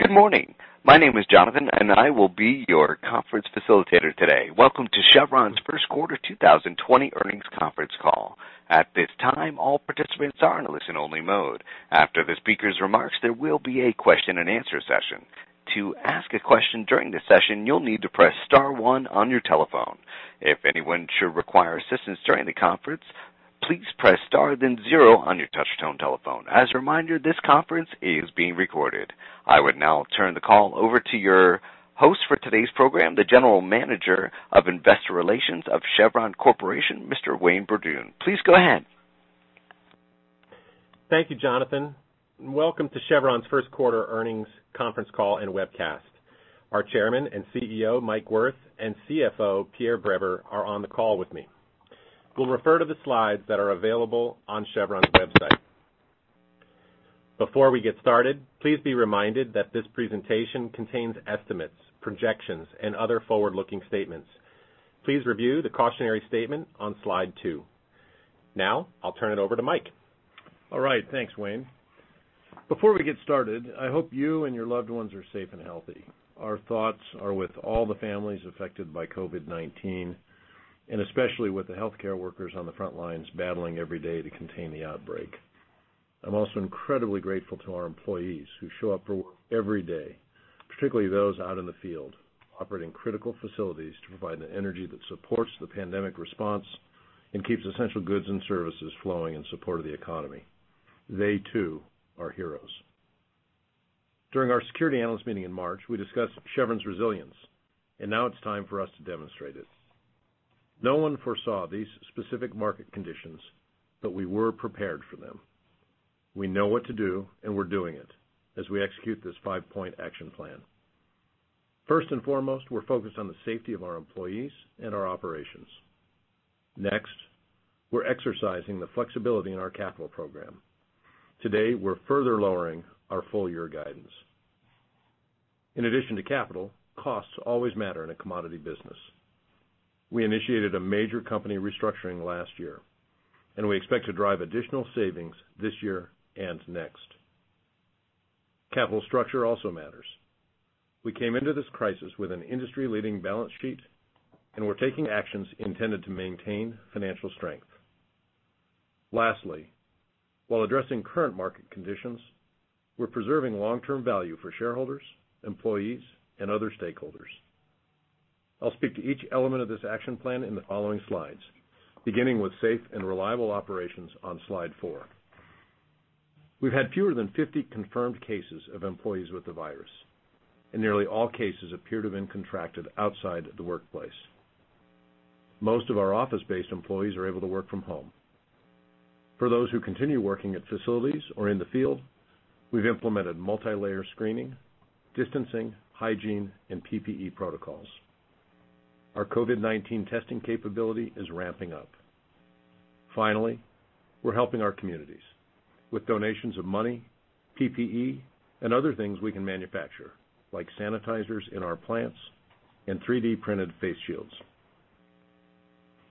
Good morning. My name is Jonathan, and I will be your conference facilitator today. Welcome to Chevron's First Quarter 2020 Earnings Conference Call. At this time, all participants are in a listen-only mode. After the speakers' remarks, there will be a question-and-answer session. To ask a question during the session, you'll need to press star one on your telephone. If anyone should require assistance during the conference, please press star then zero on your touch-tone telephone. As a reminder, this conference is being recorded. I would now turn the call over to your host for today's program, the General Manager of Investor Relations of Chevron Corporation, Mr. Wayne Borduin. Please go ahead. Thank you, Jonathan. Welcome to Chevron's first quarter earnings conference call and webcast. Our Chairman and CEO, Mike Wirth, and CFO, Pierre Breber, are on the call with me. We'll refer to the slides that are available on Chevron's website. Before we get started, please be reminded that this presentation contains estimates, projections, and other forward-looking statements. Please review the cautionary statement on slide two. Now, I'll turn it over to Mike. All right. Thanks, Wayne. Before we get started, I hope you and your loved ones are safe and healthy. Our thoughts are with all the families affected by COVID-19, and especially with the healthcare workers on the front lines battling every day to contain the outbreak. I'm also incredibly grateful to our employees who show up for work every day, particularly those out in the field operating critical facilities to provide the energy that supports the pandemic response and keeps essential goods and services flowing in support of the economy. They too are heroes. During our security analyst meeting in March, we discussed Chevron's resilience, and now it's time for us to demonstrate it. No one foresaw these specific market conditions, but we were prepared for them. We know what to do, and we're doing it as we execute this five-point action plan. First and foremost, we're focused on the safety of our employees and our operations. Next, we're exercising the flexibility in our capital program. Today, we're further lowering our full-year guidance. In addition to capital, costs always matter in a commodity business. We initiated a major company restructuring last year, and we expect to drive additional savings this year and next. Capital structure also matters. We came into this crisis with an industry-leading balance sheet, and we're taking actions intended to maintain financial strength. Lastly, while addressing current market conditions, we're preserving long-term value for shareholders, employees, and other stakeholders. I'll speak to each element of this action plan in the following slides, beginning with safe and reliable operations on slide four. We've had fewer than 50 confirmed cases of employees with the virus, and nearly all cases appear to have been contracted outside the workplace. Most of our office-based employees are able to work from home. For those who continue working at facilities or in the field, we've implemented multi-layer screening, distancing, hygiene, and PPE protocols. Our COVID-19 testing capability is ramping up. Finally, we're helping our communities with donations of money, PPE, and other things we can manufacture, like sanitizers in our plants and 3D-printed face shields.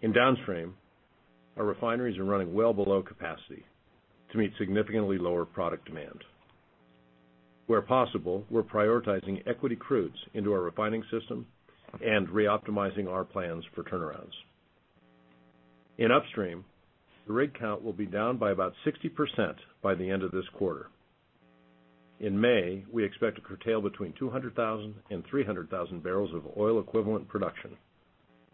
In downstream, our refineries are running well below capacity to meet significantly lower product demand. Where possible, we're prioritizing equity crudes into our refining system and re-optimizing our plans for turnarounds. In upstream, the rig count will be down by about 60% by the end of this quarter. In May, we expect to curtail between 200,000 and 300,000 barrels of oil equivalent production,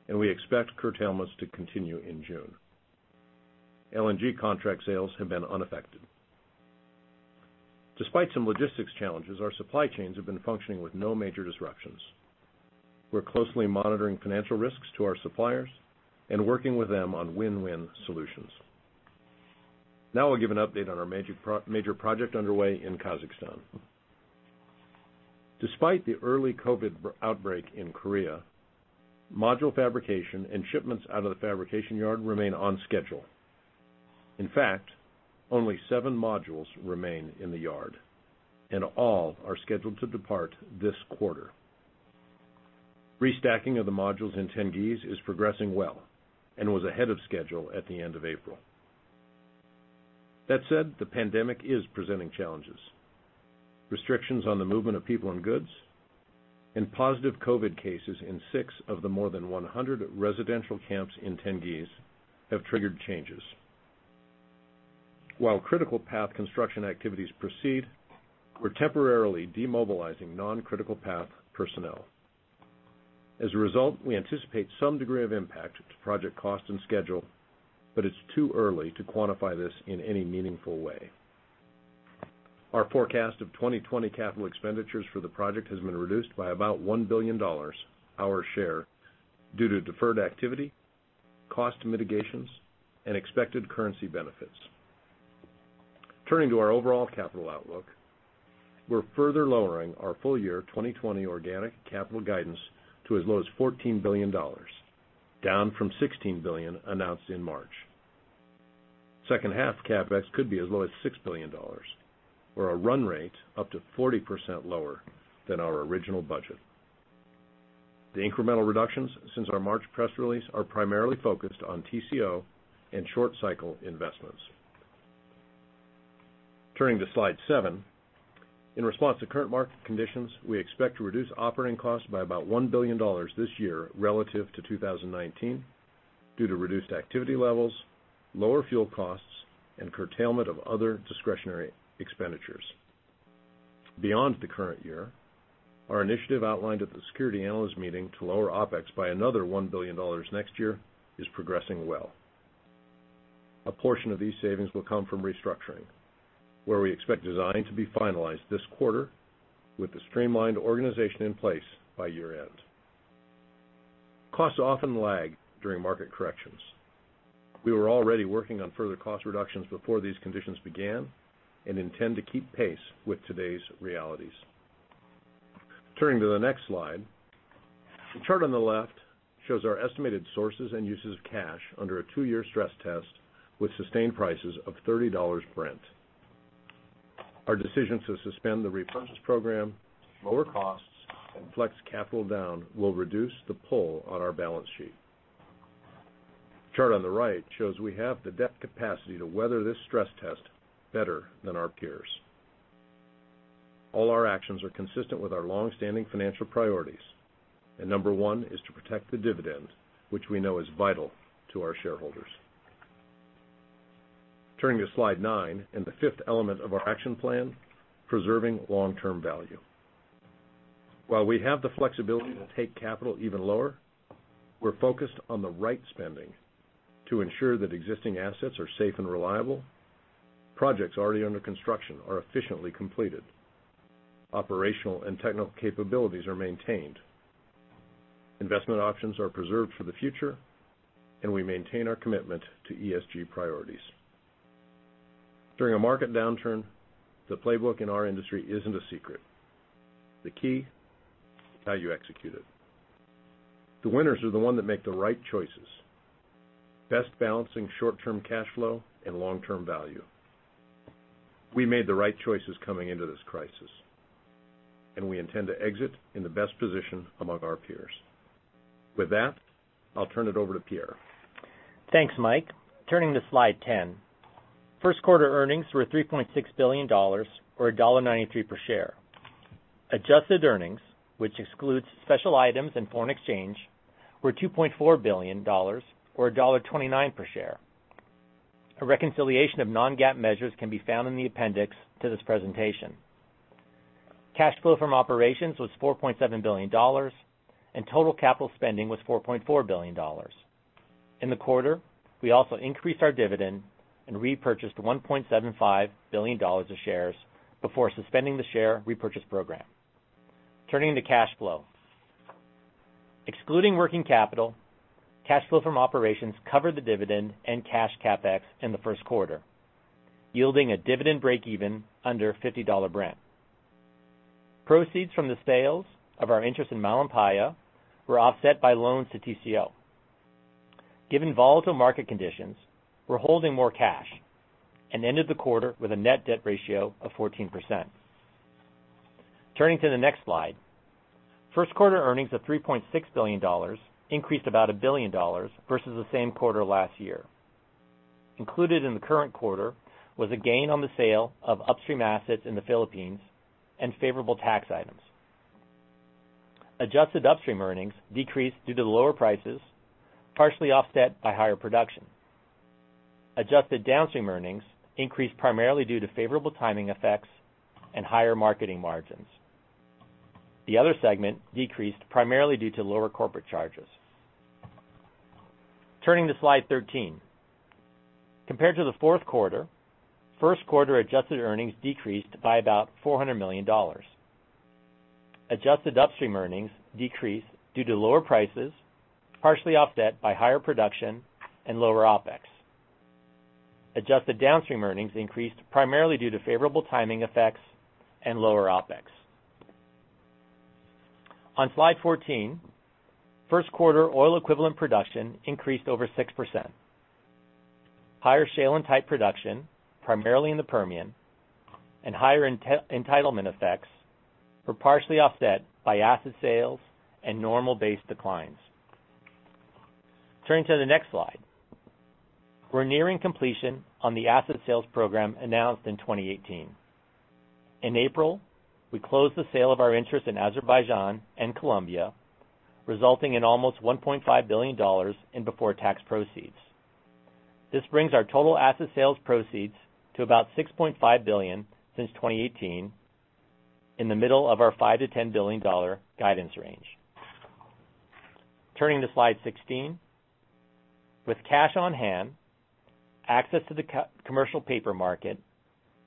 and we expect curtailments to continue in June. LNG contract sales have been unaffected. Despite some logistics challenges, our supply chains have been functioning with no major disruptions. We're closely monitoring financial risks to our suppliers and working with them on win-win solutions. Now I'll give an update on our major project underway in Kazakhstan. Despite the early COVID outbreak in Korea, module fabrication and shipments out of the fabrication yard remain on schedule. In fact, only seven modules remain in the yard, and all are scheduled to depart this quarter. Restacking of the modules in Tengiz is progressing well and was ahead of schedule at the end of April. That said, the pandemic is presenting challenges. Restrictions on the movement of people and goods and positive COVID cases in six of the more than 100 residential camps in Tengiz have triggered changes. While critical path construction activities proceed, we're temporarily demobilizing non-critical path personnel. As a result, we anticipate some degree of impact to project cost and schedule, but it's too early to quantify this in any meaningful way. Our forecast of 2020 capital expenditures for the project has been reduced by about $1 billion, our share, due to deferred activity, cost mitigations, and expected currency benefits. Turning to our overall capital outlook, we're further lowering our full-year 2020 organic capital guidance to as low as $14 billion, down from $16 billion announced in March. Second-half CapEx could be as low as $6 billion, or a run rate up to 40% lower than our original budget. The incremental reductions since our March press release are primarily focused on TCO and short-cycle investments. Turning to slide seven. In response to current market conditions, we expect to reduce operating costs by about $1 billion this year relative to 2019 due to reduced activity levels, lower fuel costs, and curtailment of other discretionary expenditures. Beyond the current year, our initiative outlined at the security analyst meeting to lower OpEx by another $1 billion next year is progressing well. A portion of these savings will come from restructuring, where we expect design to be finalized this quarter with the streamlined organization in place by year-end. Costs often lag during market corrections. We were already working on further cost reductions before these conditions began and intend to keep pace with today's realities. Turning to the next slide. The chart on the left shows our estimated sources and uses of cash under a two-year stress test with sustained prices of $30 Brent. Our decision to suspend the repurchase program, lower costs, and flex capital down will reduce the pull on our balance sheet. The chart on the right shows we have the debt capacity to weather this stress test better than our peers. All our actions are consistent with our longstanding financial priorities, and number one is to protect the dividend, which we know is vital to our shareholders. Turning to slide nine and the fifth element of our action plan, preserving long-term value. While we have the flexibility to take capital even lower, we're focused on the right spending to ensure that existing assets are safe and reliable, projects already under construction are efficiently completed, operational and technical capabilities are maintained, investment options are preserved for the future, and we maintain our commitment to ESG priorities. During a market downturn, the playbook in our industry isn't a secret. The key is how you execute it. The winners are the ones that make the right choices, best balancing short-term cash flow and long-term value. We made the right choices coming into this crisis, and we intend to exit in the best position among our peers. With that, I'll turn it over to Pierre. Thanks, Mike. Turning to slide 10. First quarter earnings were $3.6 billion, or $1.93 per share. Adjusted earnings, which excludes special items and foreign exchange, were $2.4 billion or $1.29 per share. A reconciliation of non-GAAP measures can be found in the appendix to this presentation. Cash flow from operations was $4.7 billion, and total capital spending was $4.4 billion. In the quarter, we also increased our dividend and repurchased $1.75 billion of shares before suspending the share repurchase program. Turning to cash flow. Excluding working capital, cash flow from operations covered the dividend and cash CapEx in the first quarter, yielding a dividend break-even under $50 Brent. Proceeds from the sales of our interest in Malampaya were offset by loans to TCO. Given volatile market conditions, we're holding more cash and ended the quarter with a net debt ratio of 14%. Turning to the next slide. First quarter earnings of $3.6 billion increased about $1 billion versus the same quarter last year. Included in the current quarter was a gain on the sale of upstream assets in the Philippines and favorable tax items. Adjusted upstream earnings decreased due to lower prices, partially offset by higher production. Adjusted downstream earnings increased primarily due to favorable timing effects and higher marketing margins. The other segment decreased primarily due to lower corporate charges. Turning to slide 13. Compared to the fourth quarter, first quarter adjusted earnings decreased by about $400 million. Adjusted upstream earnings decreased due to lower prices, partially offset by higher production and lower OpEx. Adjusted downstream earnings increased primarily due to favorable timing effects and lower OpEx. On slide 14, first-quarter oil equivalent production increased over 6%. Higher shale and tight production, primarily in the Permian, and higher entitlement effects were partially offset by asset sales and normal base declines. Turning to the next slide. We're nearing completion on the asset sales program announced in 2018. In April, we closed the sale of our interest in Azerbaijan and Colombia, resulting in almost $1.5 billion in before-tax proceeds. This brings our total asset sales proceeds to about $6.5 billion since 2018, in the middle of our $5 billion-$10 billion guidance range. Turning to slide 16. With cash on hand, access to the commercial paper market,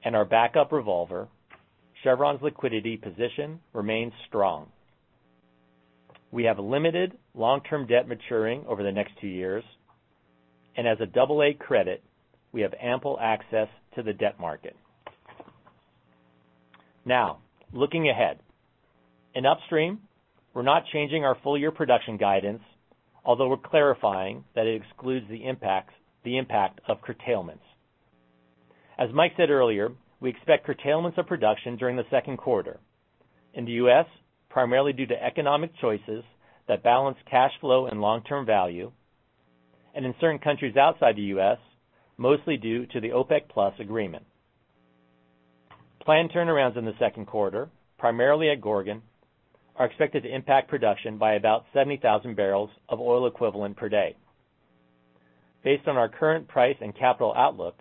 and our backup revolver, Chevron's liquidity position remains strong. We have limited long-term debt maturing over the next two years, and as a double-A credit, we have ample access to the debt market. Now, looking ahead. In upstream, we're not changing our full-year production guidance, although we're clarifying that it excludes the impact of curtailments. As Mike said earlier, we expect curtailments of production during the second quarter. In the U.S., primarily due to economic choices that balance cash flow and long-term value, and in certain countries outside the U.S., mostly due to the OPEC+ agreement. Planned turnarounds in the second quarter, primarily at Gorgon, are expected to impact production by about 70,000 barrels of oil equivalent per day. Based on our current price and capital outlook,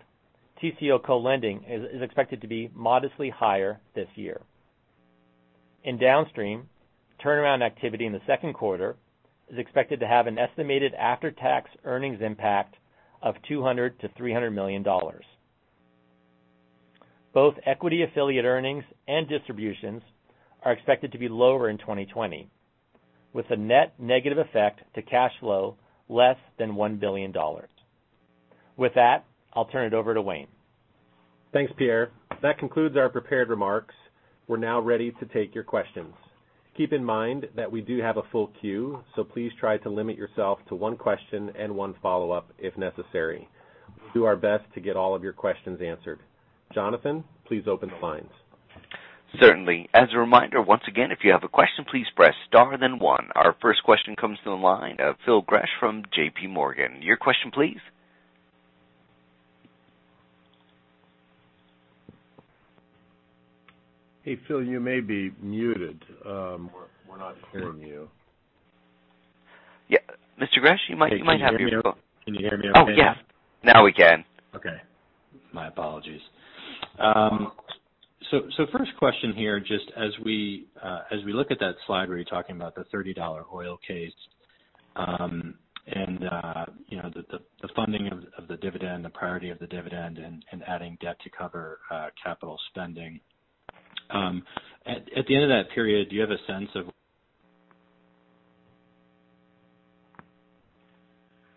TCO co-lending is expected to be modestly higher this year. In Downstream, turnaround activity in the second quarter is expected to have an estimated after-tax earnings impact of $200 million-$300 million. Both equity affiliate earnings and distributions are expected to be lower in 2020, with a net negative effect to cash flow less than $1 billion. With that, I'll turn it over to Wayne. Thanks, Pierre. That concludes our prepared remarks. We're now ready to take your questions. Keep in mind that we do have a full queue. Please try to limit yourself to one question and one follow-up if necessary. We'll do our best to get all of your questions answered. Jonathan, please open the lines. Certainly. As a reminder, once again, if you have a question, please press star, then one. Our first question comes to the line of Phil Gresh from J.P. Morgan. Your question, please. Hey, Phil, you may be muted. We're not hearing you. Yeah. Mr. Gresh, you might have your phone. Can you hear me okay now? Oh, yeah. Now we can. Okay. My apologies. First question here: just as we look at that slide where you're talking about the $30 oil case, the funding of the dividend, the priority of the dividend, and adding debt to cover capital spending. At the end of that period, do you have a sense of—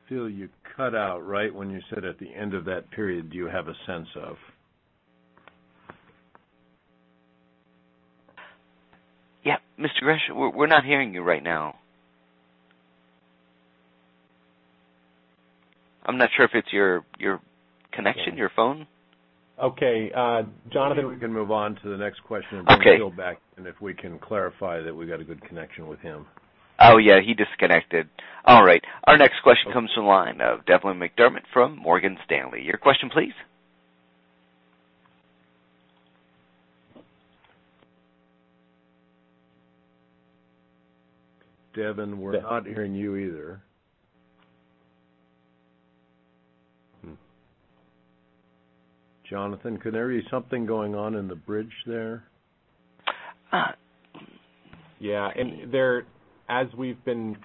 Phil, you cut out right when you said, At the end of that period, do you have a sense of.. Yeah. Mr. Gresh, we're not hearing you right now. I'm not sure if it's your connection or your phone. Okay. Jonathan. Maybe we can move on to the next question. Okay Bring Phil back, and we can clarify that we got a good connection with him. Yeah. He disconnected. Our next question comes from the line of Devin McDermott from Morgan Stanley. Your question, please. Devin, we're not hearing you either. Jonathan, could there be something going on in the bridge there? Yeah. As we've been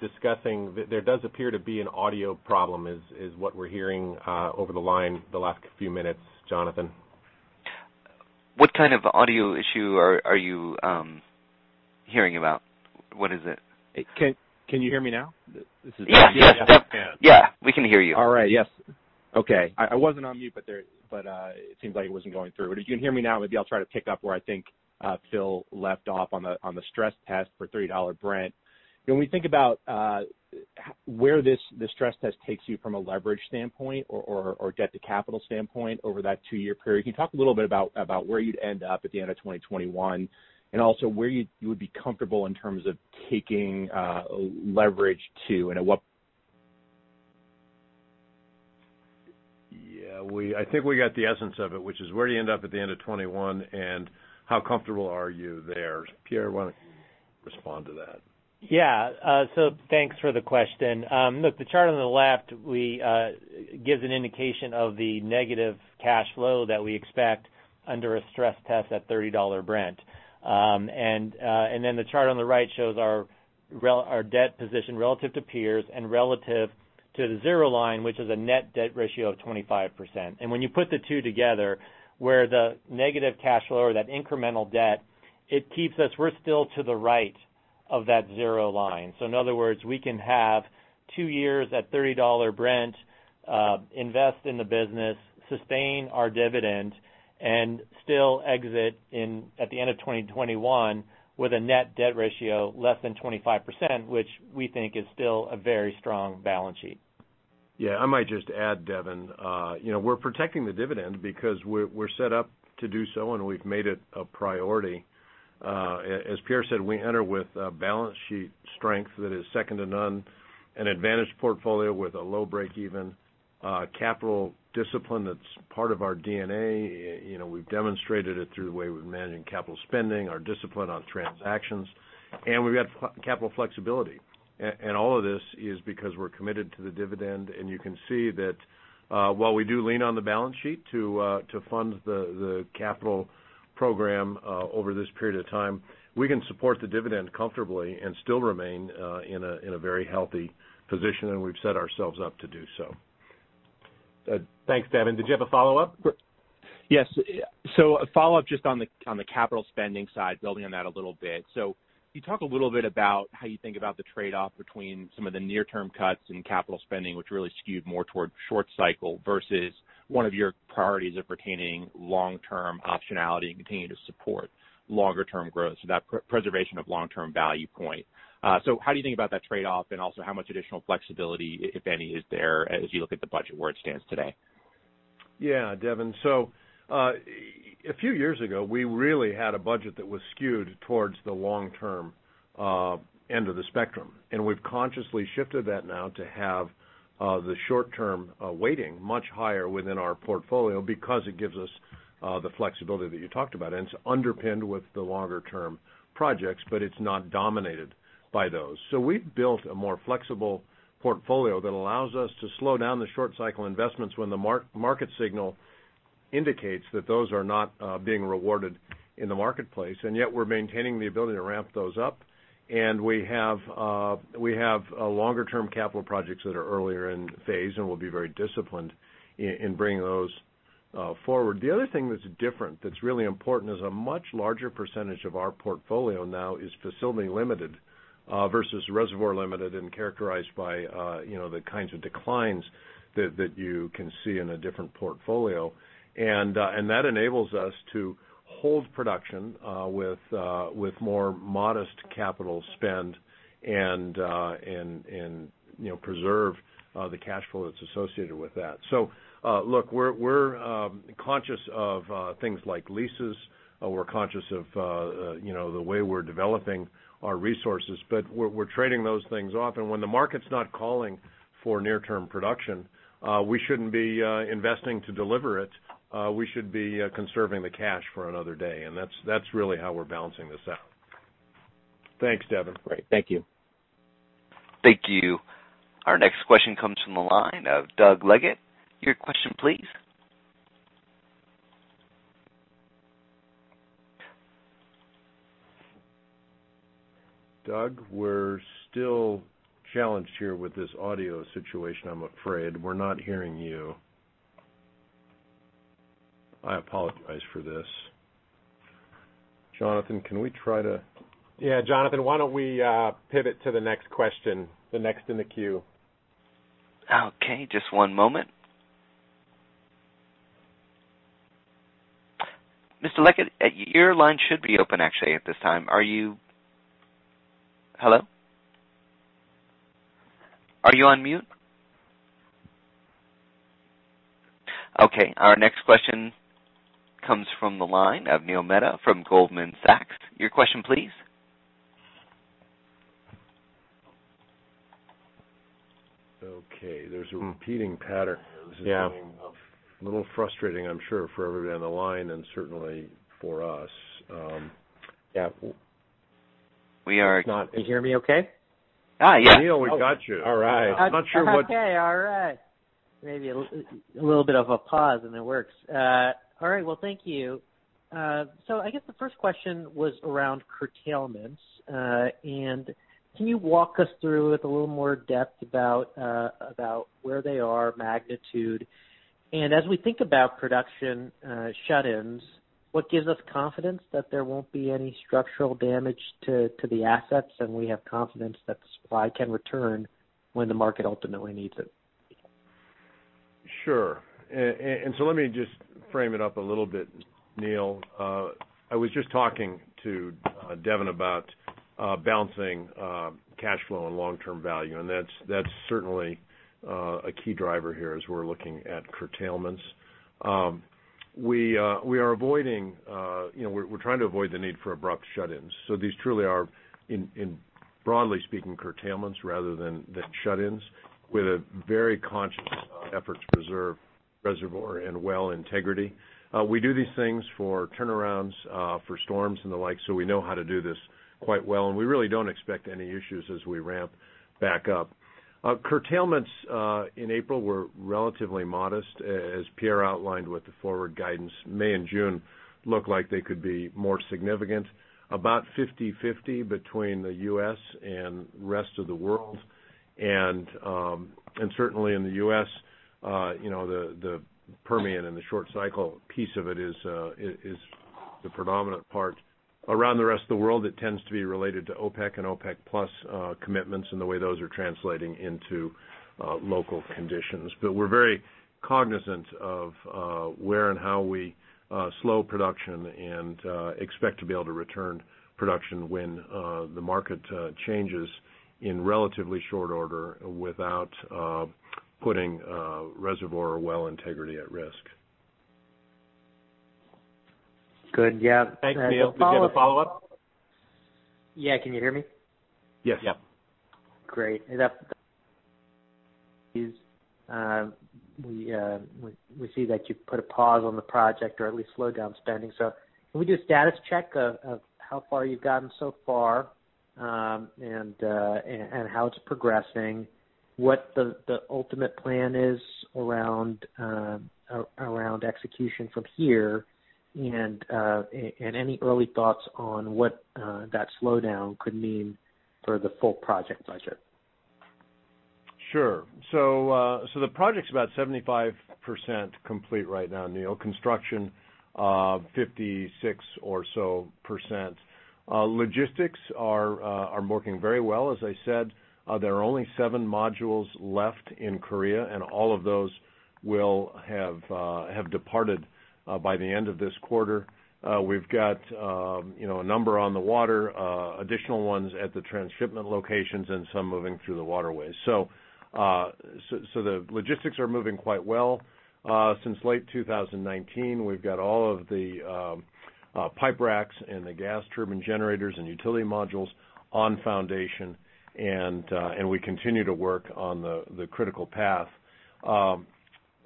discussing, there does appear to be an audio problem, which is what we've been hearing over the line the last few minutes, Jonathan. What kind of audio issue are you hearing about? What is it? Can you hear me now? Yeah. We can hear you. All right. Yes. Okay. I wasn't on mute. It seems like it wasn't going through. If you can hear me now, maybe I'll try to pick up where I think Phil Gresh left off on the stress test for $30 Brent. When we think about where the stress test takes you from a leverage standpoint or debt-to-capital standpoint over that two-year period, can you talk a little bit about where you'd end up at the end of 2021, and also where you would be comfortable in terms of taking leverage? Yeah. I think we got the essence of it, which is where do you end up at the end of 2021, and how comfortable are you? Pierre, why don't you respond to that? Thanks for the question. Look, the chart on the left gives an indication of the negative cash flow that we expect under a stress test at $30 Brent. The chart on the right shows our debt position relative to peers and relative to the zero line, which is a net debt ratio of 25%. When you put the two together, where the negative cash flow or that incremental debt, we're still to the right of that zero line. In other words, we can have two years at $30 Brent, invest in the business, sustain our dividend, and still exit at the end of 2021 with a net debt ratio less than 25%, which we think is still a very strong balance sheet. Yeah, I might just add, Devin. We're protecting the dividend because we're set up to do so, and we've made it a priority. As Pierre said, we enter with a balance sheet strength that is second to none, an advantageous portfolio with a low breakeven, and capital discipline that's part of our DNA. We've demonstrated it through the way we've managed capital spending and our discipline on transactions, and we've got capital flexibility. All of this is because we're committed to the dividend, and you can see that while we do lean on the balance sheet to fund the capital program over this period of time, we can support the dividend comfortably and still remain in a very healthy position, and we've set ourselves up to do so. Thanks, Devin. Did you have a follow-up? Yes. A follow-up just on the capital spending side, building on that a little bit. Can you talk a little bit about how you think about the trade-off between some of the near-term cuts in capital spending, which really skewed more toward short cycles, versus one of your priorities of retaining long-term optionality and continuing to support longer-term growth so that you preserve of long-term value How do you think about that trade-off, and also how much additional flexibility, if any, is there as you look at the budget where it stands today? Yeah, Devin. A few years ago, we really had a budget that was skewed towards the long-term end of the spectrum, and we've consciously shifted that now to have the short-term weighting much higher within our portfolio because it gives us the flexibility that you talked about, and it's underpinned with the longer-term projects, but it's not dominated by those. We've built a more flexible portfolio that allows us to slow down the short-cycle investments when the market signal indicates that those are not being rewarded in the marketplace, and yet we're maintaining the ability to ramp those up. We have longer-term capital projects that are earlier in phase, and we'll be very disciplined in bringing those forward. The other thing that's different that's really important is a much larger percentage of our portfolio now is facility limited versus reservoir limited and characterized by the kinds of declines that you can see in a different portfolio. That enables us to hold production with more modest capital spend and preserve the cash flow that's associated with that. Look, we're conscious of things like leases. We're conscious of the way we're developing our resources, but we're trading those things off. When the market's not calling for near-term production, we shouldn't be investing to deliver it. We should be conserving the cash for another day, and that's really how we're balancing this out. Thanks, Devin. Great. Thank you. Thank you. Our next question comes from the line of Doug Leggate. Your question, please. Doug, we're still challenged here with this audio situation. I'm afraid we're not hearing you. I apologize for this. Jonathan can we try to— Yeah, Jonathan, why don't we pivot to the next question, the next in the queue? Okay. Just one moment. Mr. Leggate, your line should be open actually at this time. Hello? Are you on mute? Okay, our next question comes from the line of Neil Mehta from Goldman Sachs. Your question, please. Okay. There's a repeating pattern here. Yeah. This is getting a little frustrating, I'm sure for everybody on the line and certainly for us. Yeah. We are— Can you hear me okay? Yes. Neil, we got you. All right. I'm not sure what— Okay. All right. Maybe a little bit of a pause, and it works. All right. Well, thank you. I guess the first question was around curtailments. Can you walk us through with a little more depth about where they are, magnitude? As we think about production shut-ins, what gives us confidence that there won't be any structural damage to the assets, and how do we have confidence that the supply can return when the market ultimately needs it? Sure. Let me just frame it up a little bit, Neil. I was just talking to Devin about balancing cash flow and long-term value, and that's certainly a key driver here as we're looking at curtailments. We're trying to avoid the need for abrupt shut-ins. These truly are, broadly speaking, curtailments rather than shut-ins with a very conscious effort to preserve reservoir and well integrity. We do these things for turnarounds for storms and the like, so we know how to do this quite well, and we really don't expect any issues as we ramp back up. Curtailments in April were relatively modest, as Pierre outlined with the forward guidance. May and June look like they could be more significant, about 50/50 between the U.S. and the rest of the world. Certainly in the U.S., the Permian and the short cycle piece of it are the predominant parts. Around the rest of the world, it tends to be related to OPEC and OPEC+ commitments and the way those are translating into local conditions. We're very cognizant of where and how we slow production and expect to be able to return production when the market changes in relatively short order without putting reservoir or well integrity at risk. Good. Yeah. Thanks, Neil. Did you have a follow-up? Yeah. Can you hear me? Yes. Yeah. Great. We see that you put a pause on the project or at least slowed down spending. Can we do a status check of how far you've gotten so far and how it's progressing, what the ultimate plan is around execution from here, and any early thoughts on what that slowdown could mean for the full project budget? Sure. The project's about 75% complete right now, Neil. Construction, 56 or so percent. Logistics is working very well. As I said, there are only seven modules left in Korea, and all of those will have departed by the end of this quarter. We've got a number on the water, additional ones at the transshipment locations, and some moving through the waterways. The logistics are moving quite well. Since late 2019, we've got all of the pipe racks and the gas turbine generators and utility modules on the foundation, and we continue to work on the critical path.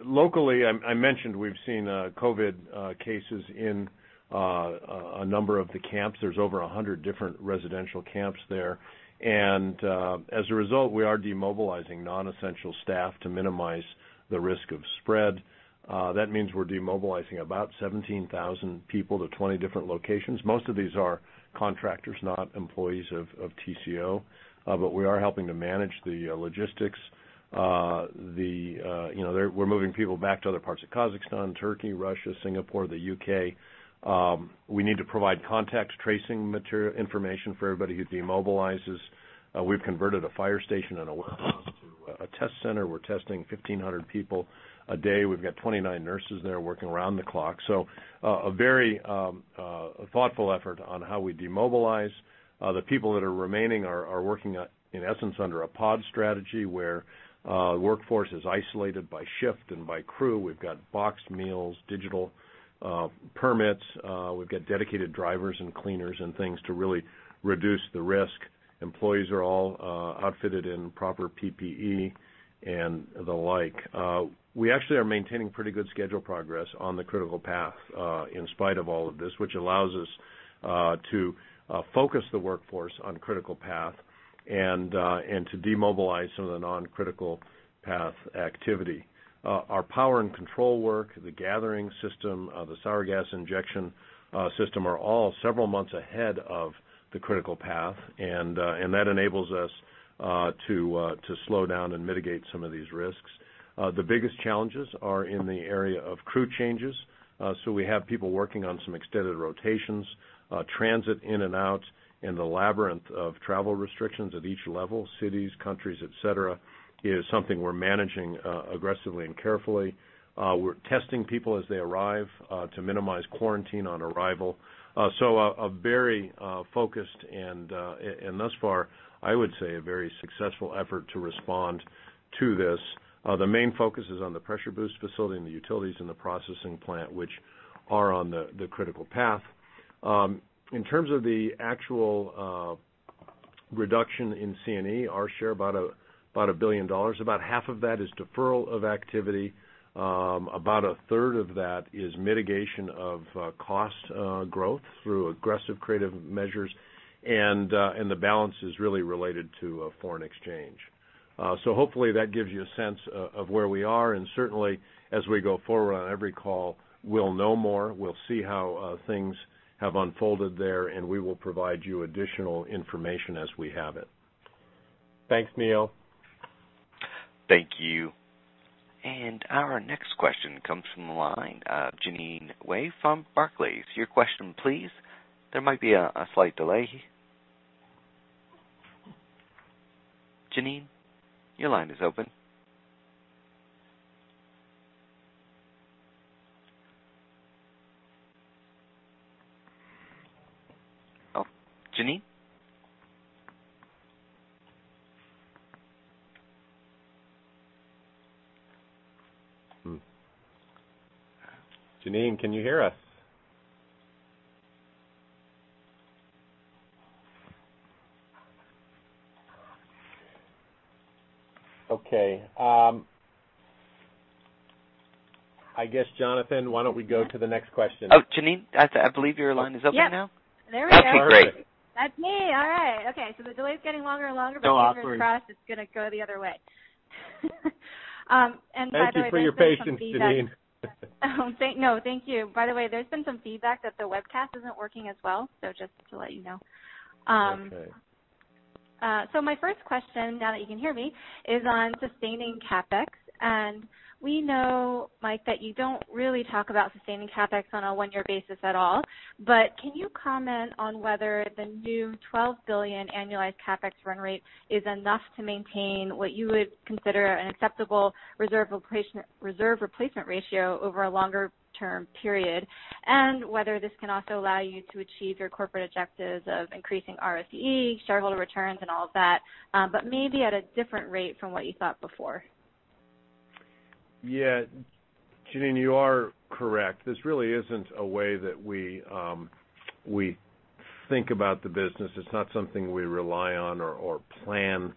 Locally, I mentioned we've seen COVID cases in a number of the camps. There are over 100 different residential camps there. As a result, we are demobilizing non-essential staff to minimize the risk of spread. That means we're demobilizing about 17,000 people to 20 different locations. Most of these are contractors, not employees of TCO, but we are helping to manage the logistics. We're moving people back to other parts of Kazakhstan, Turkey, Russia, Singapore, and the U.K. We need to provide contact tracing information for everybody who demobilizes. We've converted a fire station and a warehouse to a test center. We're testing 1,500 people a day. We've got 29 nurses there working around the clock. A very thoughtful effort on how we demobilize. The people that are remaining are working, in essence, under a pod strategy where the workforce is isolated by shift and by crew. We've got boxed meals and digital permits. We've got dedicated drivers and cleaners and things to really reduce the risk. Employees are all outfitted in proper PPE and the like. We actually are maintaining pretty good schedule progress on the critical path, in spite of all of this, which allows us to focus the workforce on the critical path and to demobilize some of the non-critical path activity. Our power and control work, the gathering system, and the sour gas injection system are all several months ahead of the critical path, which enables us to slow down and mitigate some of these risks. The biggest challenges are in the area of crew changes. We have people working on some extended rotations. Transiting in and out of the labyrinth of travel restrictions at each level, city, country, et cetera, is something we're managing aggressively and carefully. We're testing people as they arrive to minimize quarantine on arrival. A very focused and thus far, I would say, a very successful effort to respond to this. The main focus is on the pressure boost facility and the utilities in the processing plant, which are on the critical path. In terms of the actual reduction in C&E, our share is about $1 billion. About half of that is deferral of activity. About a third of that is mitigation of cost growth through aggressive creative measures. The balance is really related to foreign exchange. Hopefully, that gives you a sense of where we are, and certainly, as we go forward on every call, we'll know more. We'll see how things have unfolded there, and we will provide you additional information as we have it. Thanks, Neil. Thank you. Our next question comes from the line: Jean Ann Salisbury from Bernstein. Your question, please. There might be a slight delay. Jean Ann? Your line is open. Oh, Jean Ann? Jean Ann, can you hear us? Okay. I guess, Jonathan, why don't we go to the next question? Oh, Jean Ann, I believe your line is open now. Yes. There we go. That'd be great. That's me. All right. Okay. The delay's getting longer and longer. No, sorry. Fingers crossed it's going to go the other way. By the way, there's been some feedback. Thank you for your patience, Jean Ann. No, thank you. By the way, there's been some feedback that the webcast isn't working as well. Just to let you know. Okay. My first question, now that you can hear me, is on sustaining CapEx. We know, Mike, that you don't really talk about sustaining CapEx on a one-year basis at all, but can you comment on whether the new $12 billion annualized CapEx run rate is enough to maintain what you would consider an acceptable reserve replacement ratio over a longer-term period? Whether this can also allow you to achieve your corporate objectives of increasing ROCE, shareholder returns, and all of that, but maybe at a different rate from what you thought before? Yeah. Jean Ann, you are correct. This really isn't a way that we think about the business. It's not something we rely on or plan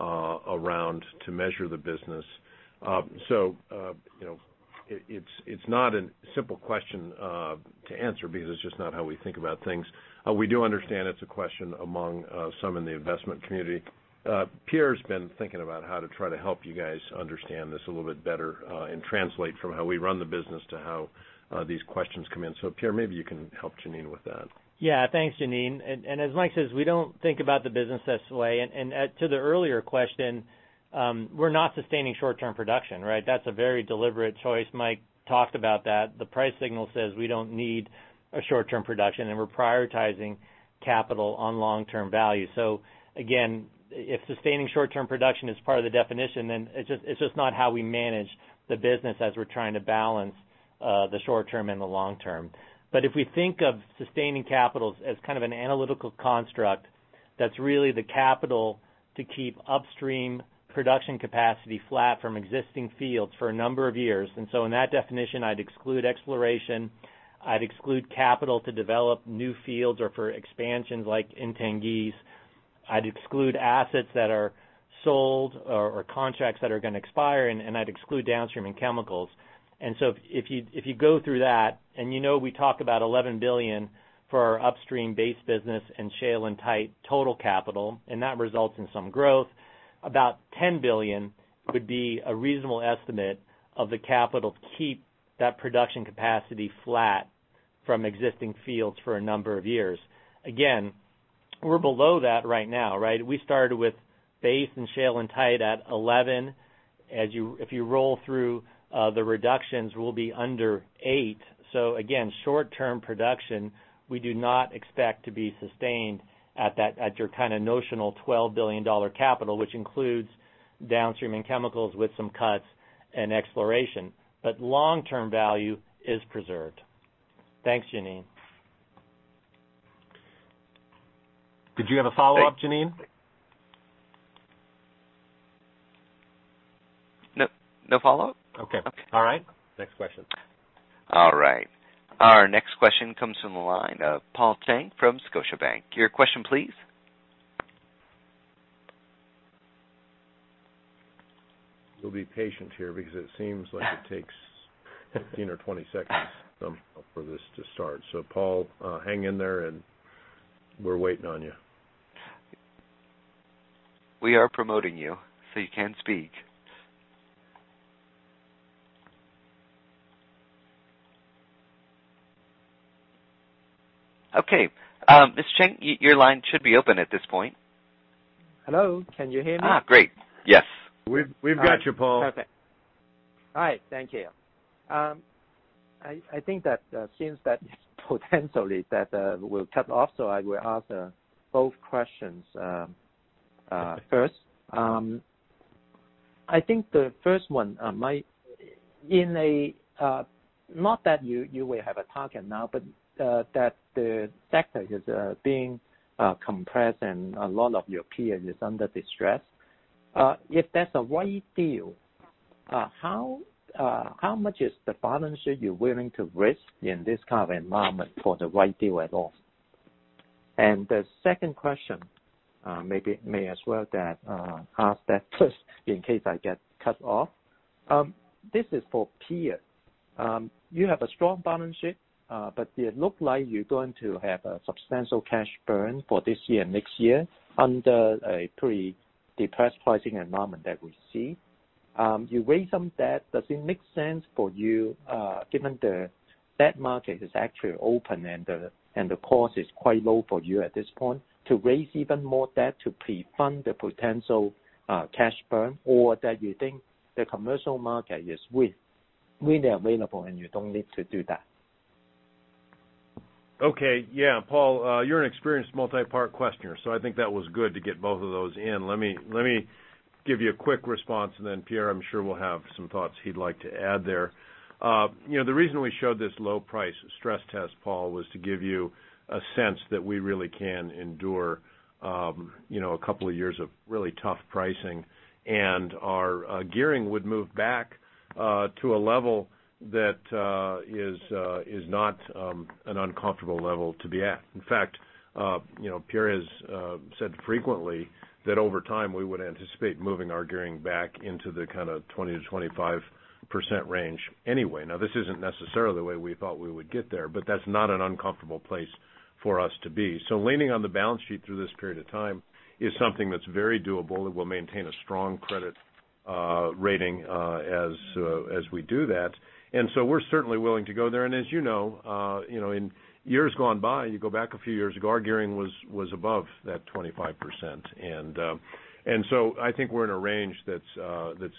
around to measure the business. It's not a simple question to answer because it's just not how we think about things. We do understand it's a question among some in the investment community. Pierre's been thinking about how to try to help you guys understand this a little bit better and translate from how we run the business to how these questions come in. Pierre, maybe you can help Jean Ann with that. Yeah. Thanks, Jean Ann. As Mike says, we don't think about the business this way. To the earlier question, we're not sustaining short-term production, right? That's a very deliberate choice. Mike talked about that. The price signal says we don't need a short-term production, and we're prioritizing capital on long-term value. Again, if sustaining short-term production is part of the definition, then it's just not how we manage the business as we're trying to balance the short term and the long term. If we think of sustaining capitals as kind of an analytical construct, that's really the capital to keep upstream production capacity flat from existing fields for a number of years. In that definition, I'd exclude exploration, I'd exclude capital to develop new fields or for expansions like in Tengiz. I'd exclude assets that are sold or contracts that are going to expire, and I'd exclude downstream products and chemicals. If you go through that, and you know we talk about $11 billion for our upstream base business and shale and tight total capital, that results in some growth. About $10 billion would be a reasonable estimate of the capital to keep that production capacity flat from existing fields for a number of years. Again, we're below that right now. We started with base and shale and tight at $11. If you roll through the reductions, we'll be under $8. Again, short-term production, we do not expect to be sustained by your notional $12 billion capital, which includes downstream and chemicals with some cuts and exploration. Long-term value is preserved. Thanks, Jean Ann. Did you have a follow-up, Jean Ann? No. No follow-up? Okay. All right. Next question. All right. Our next question comes from the line of Paul Cheng from Scotiabank. Your question, please. We'll be patient here because it seems like it takes 15 or 20 seconds for this to start. Paul, hang in there, and we're waiting on you. We are promoting you so you can speak. Okay. Mr. Cheng, your line should be open at this point. Hello, can you hear me? Great. Yes. We've got you, Paul. Perfect. All right, thank you. I think that potentially we'll cut off, so I will ask both questions first. I think the first one, not that you will have a target now, but that the sector is being compressed and a lot of your peers are under distress. If that's a right deal, how much is the balance sheet you're willing to risk in this kind of environment for the right deal at all? The second question, maybe I may as well ask that first in case I get cut off. This is for Pierre. You have a strong balance sheet, but it looks like you're going to have a substantial cash burn for this year and next year under a pretty depressed pricing environment that we see. You raise some debt. Does it make sense for you, given the debt market is actually open and the cost is quite low for you at this point, to raise even more debt to pre-fund the potential cash burn? Or that you think the commercial market is really available, and you don't need to do that? Okay. Yeah, Paul, you're an experienced multi-part questioner, so I think that was good to get both of those in. Let me give you a quick response, and then Pierre, I'm sure, will have some thoughts he'd like to add there. The reason we showed this low price stress test, Paul, was to give you a sense that we really can endure a couple of years of really tough pricing. Our gearing would move back to a level that is not an uncomfortable level to be at. In fact Pierre has said frequently that over time, we would anticipate moving our gearing back into the kind of 20%-25% range anyway. Now, this isn't necessarily the way we thought we would get there, but that's not an uncomfortable place for us to be. Leaning on the balance sheet through this period of time is something that's very doable. It will maintain a strong credit rating as we do that. We're certainly willing to go there, and as you know in years gone by, you go back a few years ago, our gearing was above that 25%. I think we're in a range that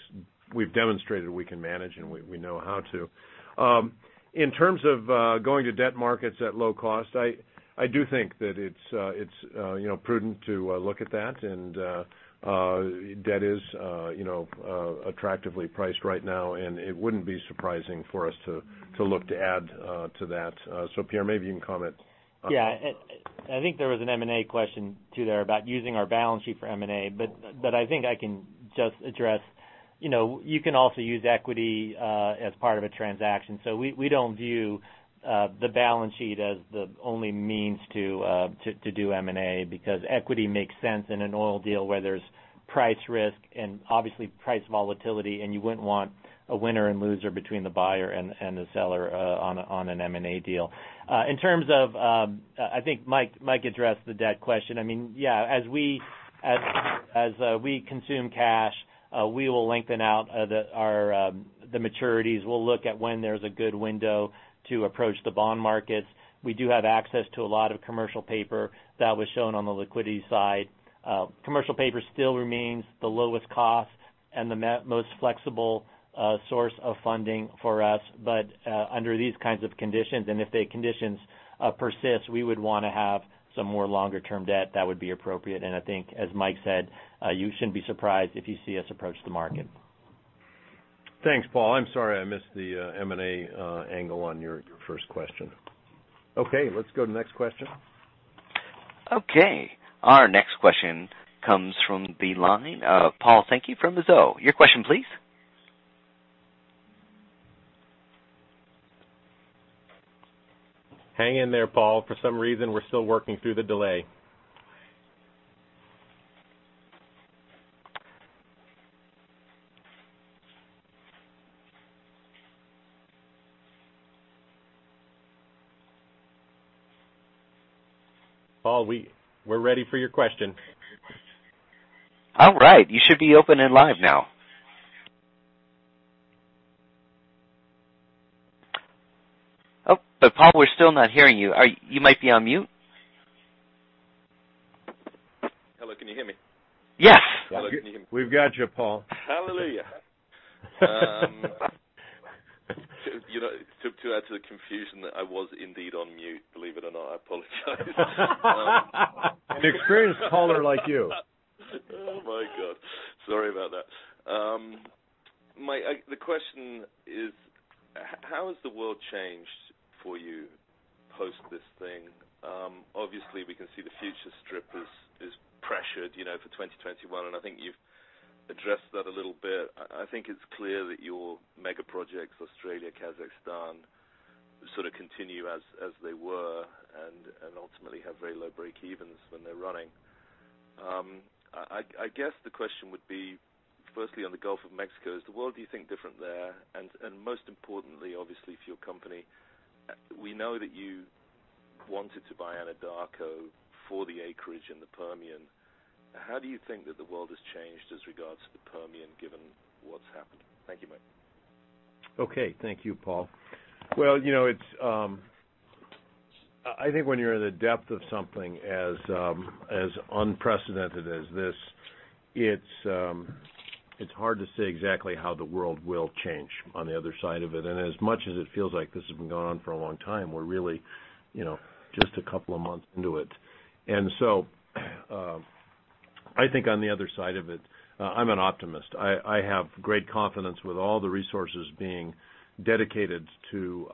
we've demonstrated we can manage, and we know how to. In terms of going to debt markets at low cost, I do think that it's prudent to look at that, and debt is attractively priced right now, and it wouldn't be surprising for us to look to add to that. Pierre, maybe you can comment. Yeah. I think there was an M&A question too there about using our balance sheet for M&A, which I think I can just address. You can also use equity as part of a transaction. We don't view the balance sheet as the only means to do M&A because equity makes sense in an oil deal where there's price risk and obviously price volatility, and you wouldn't want a winner and loser between the buyer and the seller on an M&A deal. I think Mike addressed the debt question. As we consume cash, we will lengthen out the maturities. We'll look at when there's a good window to approach the bond markets. We do have access to a lot of commercial paper that was shown on the liquidity side. Commercial paper still remains the lowest cost and the most flexible source of funding for us. Under these kinds of conditions, and if the conditions persist, we would want to have some more long-term debt that would be appropriate. I think, as Mike said, you shouldn't be surprised if you see us approach the market. Thanks, Paul. I'm sorry I missed the M&A angle on your first question. Okay, let's go to the next question. Okay. Our next question comes from the line of Paul Sankey from Mizuho. Your question, please. Hang in there, Paul. For some reason, we're still working through the delay. Paul, we're ready for your question. All right. You should be open and live now. Oh, Paul, we're still not hearing you. You might be on mute. Hello, can you hear me? Yes. We've got you, Paul. Hallelujah. To add to the confusion, I was indeed on mute, believe it or not. I apologize. An experienced caller like you. Oh, my God. Sorry about that. The question is, how has the world changed for you post-this thing? Obviously, we can see the future strip is pressured for 2021, and I think you've addressed that a little bit. I think it's clear that your mega projects, Australia and Kazakhstan, sort of continue as they were and ultimately have very low breakevens when they're running. I guess the question would be, firstly, on the Gulf of Mexico, is the world, do you think, different there? Most importantly, obviously, for your company, we know that you wanted to buy Anadarko for the acreage in the Permian. How do you think that the world has changed as regards the Permian, given what's happened? Thank you, Mike. Okay. Thank you, Paul. Well, I think when you're in the depth of something as unprecedented as this, it's hard to say exactly how the world will change on the other side of it. As much as it feels like this has been going on for a long time, we're really just a couple of months into it. I think on the other side of it, I'm an optimist. I have great confidence in all the resources being dedicated to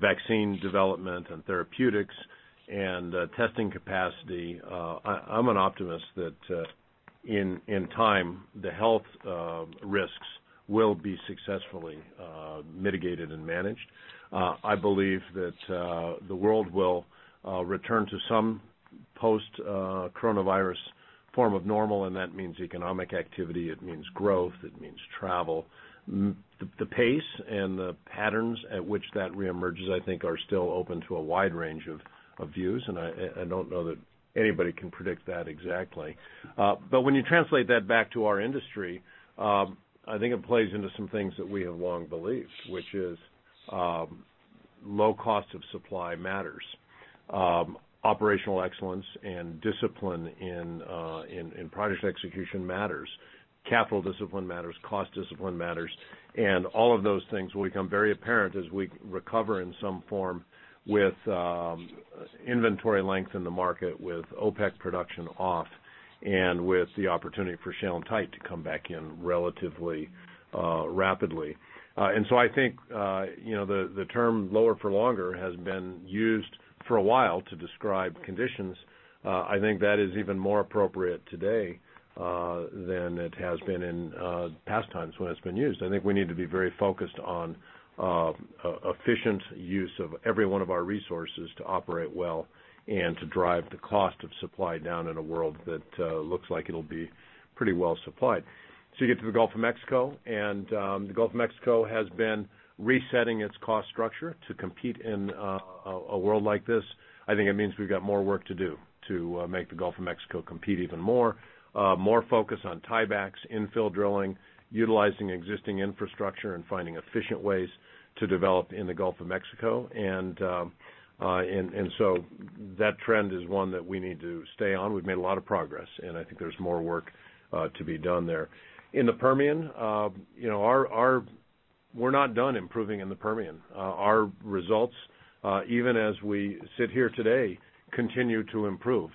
vaccine development and therapeutics and testing capacity. I'm an optimist that, in time, the health risks will be successfully mitigated and managed. I believe that the world will return to some post-coronavirus form of normal, that means economic activity, it means growth, and it means travel. The pace and the patterns at which that re-emerges, I think, are still open to a wide range of views, and I don't know that anybody can predict that exactly. But when you translate that back to our industry, I think it plays into some things that we have long believed, which is that low cost of supply matters. Operational excellence and discipline in project execution matters. Capital discipline matters, cost discipline matters, and all of those things will become very apparent as we recover in some form with inventory length in the market, with OPEC production off, and with the opportunity for shale and tight to come back in relatively rapidly. I think the term lower for longer has been used for a while to describe conditions. I think that is even more appropriate today than it has been in past times when it's been used. I think we need to be very focused on efficient use of every one of our resources to operate well and to drive the cost of supply down in a world that looks like it'll be pretty well supplied. You get to the Gulf of Mexico, and the Gulf of Mexico has been resetting its cost structure to compete in a world like this. I think it means we've got more work to do to make the Gulf of Mexico compete even more. More focus on tiebacks, infill drilling, utilizing existing infrastructure, and finding efficient ways to develop in the Gulf of Mexico. That trend is one that we need to stay on. We've made a lot of progress, and I think there's more work to be done there. In the Permian, we're not done improving in the Permian. Our results, even as we sit here today, continue to improve.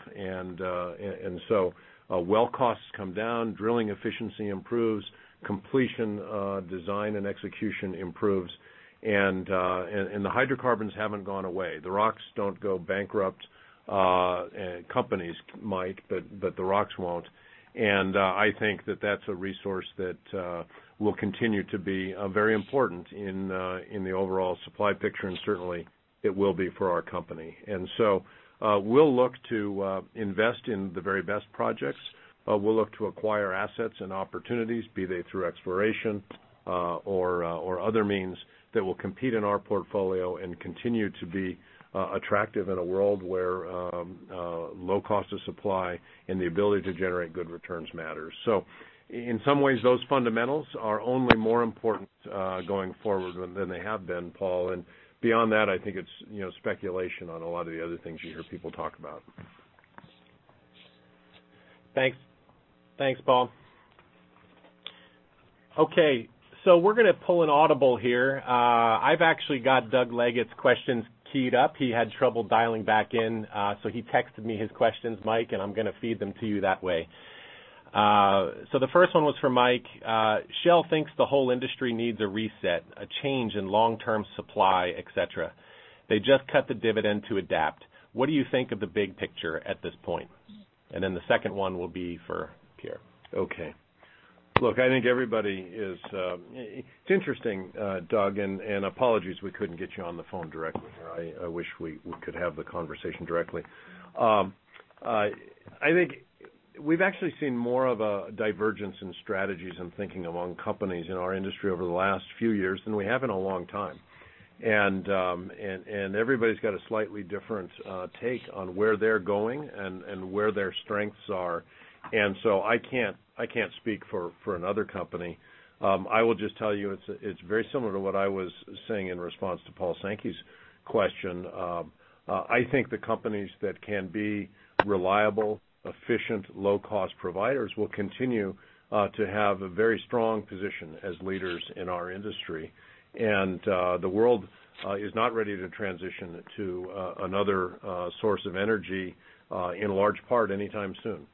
Well costs come down, drilling efficiency improves, completion design and execution improves, and the hydrocarbons haven't gone away. The rocks don't go bankrupt. Companies might, but the rocks won't. I think that that's a resource that will continue to be very important in the overall supply picture, and certainly, it will be for our company. We'll look to invest in the very best projects. We'll look to acquire assets and opportunities, be they through exploration or other means, that will compete in our portfolio and continue to be attractive in a world where low cost of supply and the ability to generate good returns matter. In some ways, those fundamentals are only more important going forward than they have been, Paul. Beyond that, I think it's speculation on a lot of the other things you hear people talk about. Thanks, Paul. We're going to pull an audible here. I've actually got Doug Leggate's questions keyed up. He had trouble dialing back in, so he texted me his questions, Mike, and I'm going to feed them to you that way. The first one was for Mike. Shell thinks the whole industry needs a reset, a change in long-term supply, et cetera. They just cut the dividend to adapt. What do you think of the big picture at this point? The second one will be for Pierre. Look, it's interesting, Doug, and apologies we couldn't get you on the phone directly. I wish we could have the conversation directly. I think we've actually seen more of a divergence in strategies and thinking among companies in our industry over the last few years than we have in a long time. Everybody's got a slightly different take on where they're going and where their strengths are. I can't speak for another company. I will just tell you, it's very similar to what I was saying in response to Paul Sankey's question. I think the companies that can be reliable, efficient, low-cost providers will continue to have a very strong position as leaders in our industry. The world is not ready to transition to another source of energy in large part anytime soon.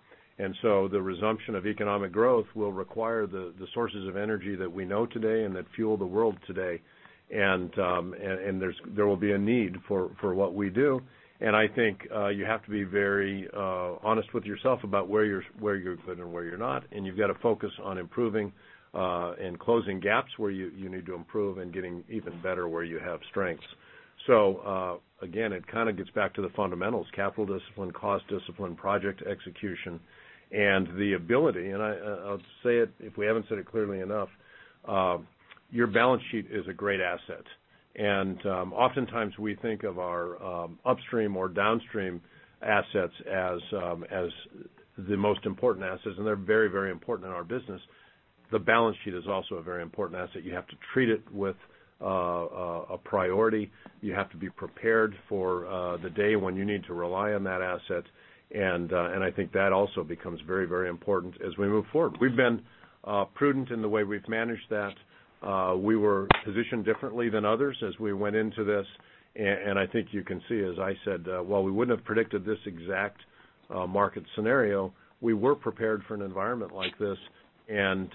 The resumption of economic growth will require the sources of energy that we know today and that fuel the world today. There will be a need for what we do, and I think you have to be very honest with yourself about where you're good and where you're not, and you've got to focus on improving and closing gaps where you need to improve and getting even better where you have strengths. Again, it kind of gets back to the fundamentals, capital discipline, cost discipline, project execution, and the ability—and I'll say it if we haven't said it clearly enough—your balance sheet is a great asset. Oftentimes we think of our upstream or downstream assets as the most important assets, and they're very important in our business. The balance sheet is also a very important asset. You have to treat it as a priority. You have to be prepared for the day when you need to rely on that asset. I think that also becomes very important as we move forward. We've been prudent in the way we've managed that. We were positioned differently than others as we went into this. I think you can see, as I said, while we wouldn't have predicted this exact market scenario, we were prepared for an environment like this, and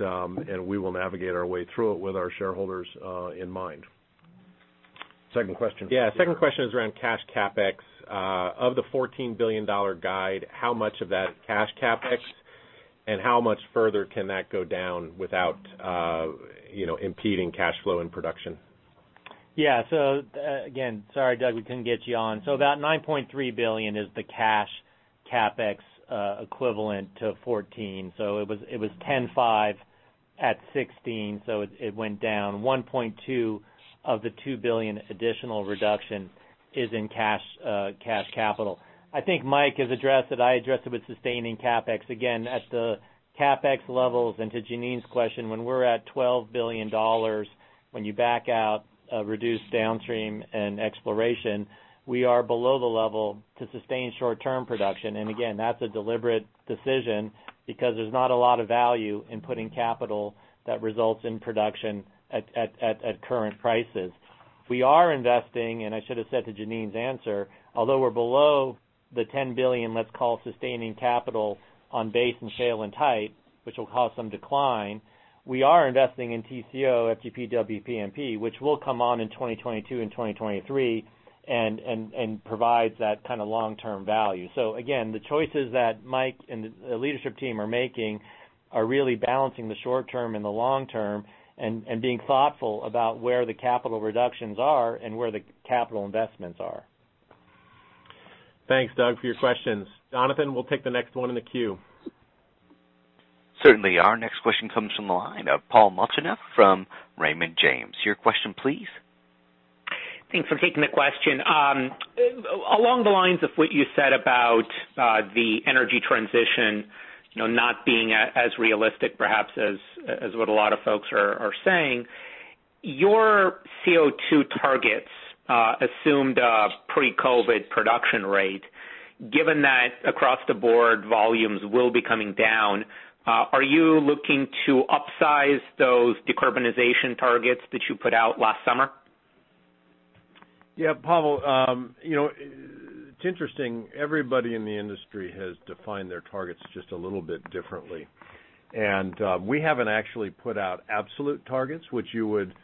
we will navigate our way through it with our shareholders in mind. Second question. Yeah. Second question is around cash CapEx. Of the $14 billion guide, how much of that is cash CapEx, and how much further can that go down without impeding cash flow and production? Yeah. Again, sorry, Doug, we couldn't get you on. About $9.3 billion is the cash CapEx equivalent to 14. It was 10.5 at 16, it went down 1.2 of the $2 billion additional reduction in cash capital. I think Mike has addressed it, I addressed it with sustaining CapEx. Again, at the CapEx levels, and to Jean Ann's question, when we're at $12 billion, when you back out reduced downstream and exploration, we are below the level to sustain short-term production. Again, that's a deliberate decision because there's not a lot of value in putting capital that results in production at current prices. We are investing, I should have said to Jean Ann's answer, although we're below the $10 billion, let's call it, sustaining capital on base in shale and tight, which will cause some decline. We are investing in TCO, FGP/WPMP, which will come on in 2022 and 2023 and provide that kind of long-term value. Again, the choices that Mike and the leadership team are making are really balancing the short term and the long term and being thoughtful about where the capital reductions are and where the capital investments are. Thanks, Doug, for your questions. Jonathan, we'll take the next one in the queue. Certainly. Our next question comes from the line of Pavel Molchanov from Raymond James. Your question, please. Thanks for taking the question. Along the lines of what you said about the energy transition not being as realistic perhaps as what a lot of folks are saying, your CO2 targets assumed a pre-COVID production rate. Given that across the board, volumes will be coming down, are you looking to upsize those decarbonization targets that you put out last summer? Yeah, Pavel, it's interesting. Everybody in the industry has defined their targets just a little bit differently. We haven't actually put out absolute targets, and you would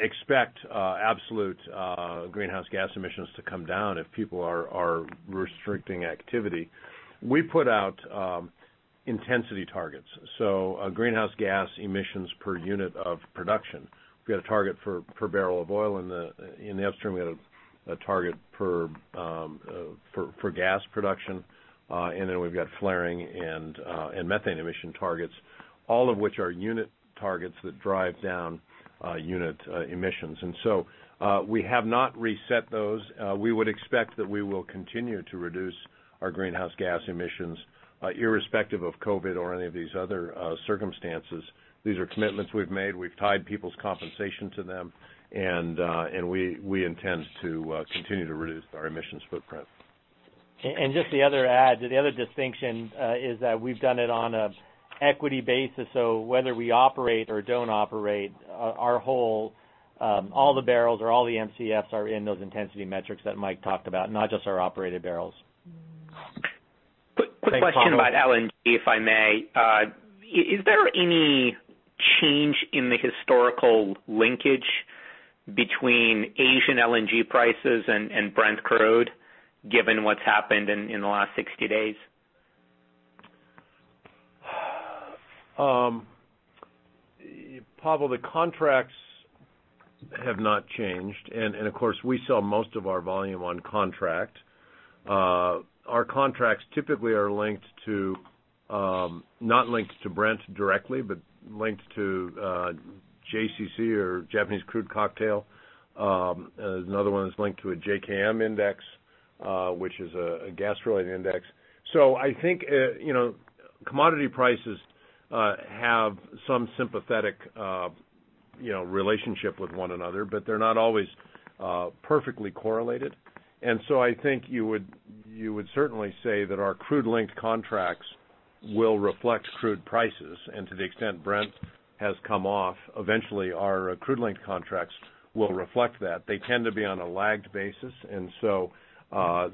expect absolute greenhouse gas emissions to come down if people are restricting activity. We put out intensity targets, or greenhouse gas emissions per unit of production. We've got a target for barrels of oil in the upstream, we have a target for gas production, and then we've got flaring and methane emission targets, all of which are unit targets that drive down unit emissions. We have not reset those. We would expect that we will continue to reduce our greenhouse gas emissions irrespective of COVID or any of these other circumstances. These are commitments we've made. We've tied people's compensation to them, and we intend to continue to reduce our emissions footprint. Just the other day, the other distinction is that we've done it on an equity basis. Whether we operate all the barrels or all the MCF or not, they are in those intensity metrics that Mike talked about, not just our operated barrels. Quick question about LNG, if I may. Is there any change in the historical linkage between Asian LNG prices and Brent crude, given what's happened in the last 60 days? Pavel, the contracts have not changed. Of course, we sell most of our volume on contract. Our contracts typically are not linked to Brent directly but linked to JCC or Japan Crude Cocktail. There's another one that's linked to a JKM index, which is a gas-related index. I think commodity prices have some sympathetic relationship with one another, but they're not always perfectly correlated. I think you would certainly say that our crude-linked contracts will reflect crude prices. To the extent Brent has come off, eventually our crude link contracts will reflect that. They tend to be on a lagged basis, and so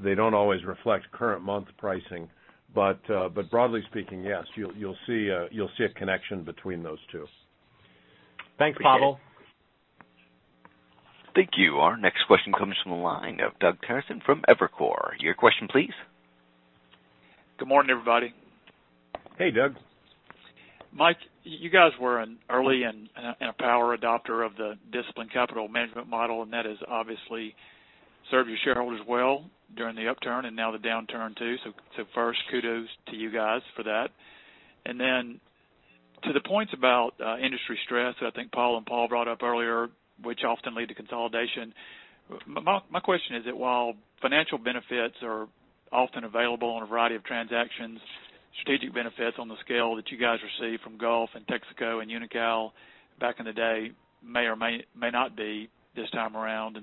they don't always reflect current month pricing. Broadly speaking, yes, you'll see a connection between those two. Thanks, Pavel. Thank you. Our next question comes from the line of Doug Terreson from Evercore. Your question, please. Good morning, everybody. Hey, Doug. Mike, you guys were an early and a power adopter of the disciplined capital management model, and that has obviously served your shareholders well during the upturn and now the downturn too. First, kudos to you guys for that. Then to the points about industry stress, which Paul and Pavel brought up earlier, that often lead to consolidation. My question is that while financial benefits are often available on a variety of transactions, strategic benefits on the scale that you guys received from Gulf and Texaco and Unocal back in the day may or may not be this time around.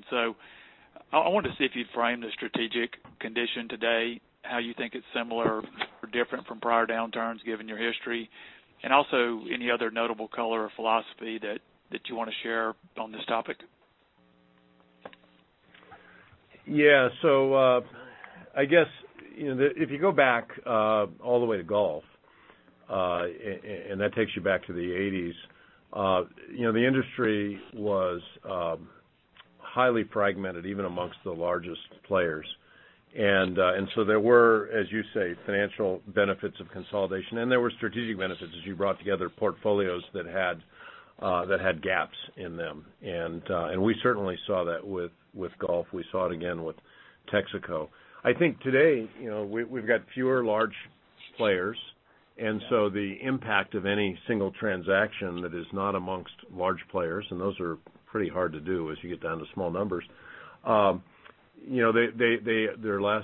I wanted to see if you'd frame the strategic condition today, how you think it's similar or different from prior downturns given your history, and also any other notable color or philosophy that you want to share on this topic. Yeah. I guess if you go back all the way to the Gulf, that takes you back to the '80s. The industry was highly fragmented, even amongst the largest players. There were, as you say, financial benefits of consolidation, and there were strategic benefits as you brought together portfolios that had gaps in them. We certainly saw that with Gulf. We saw it again with Texaco. I think today, we've got fewer large players, and so the impact of any single transaction that is not amongst large players, and those are pretty hard to do as you get down to small numbers. They're less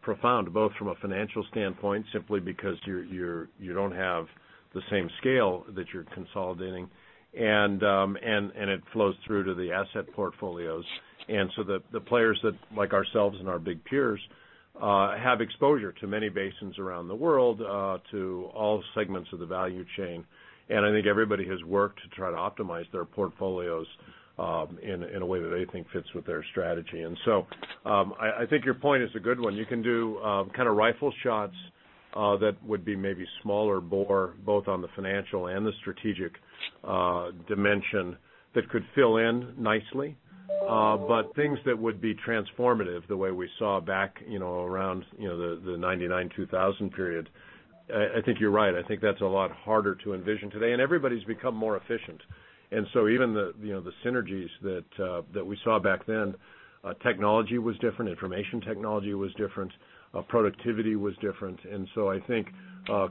profound, both from a financial standpoint, simply because you don't have the same scale that you're consolidating, and it flows through to the asset portfolios. The players that, like us and our big peers, have exposure to many basins around the world, to all segments of the value chain. I think everybody has worked to try to optimize their portfolios in a way that they think fits with their strategy. I think your point is a good one. You can do kind of rifle shots that would be maybe smaller bore, both on the financial and the strategic dimensions, that could fill in nicely. But things that would be transformative the way we saw back around the 1999, 2000 period—I think you're right. I think that's a lot harder to envision today. Everybody's become more efficient. Even with the synergies that we saw back then, technology was different, information technology was different, and productivity was different. I think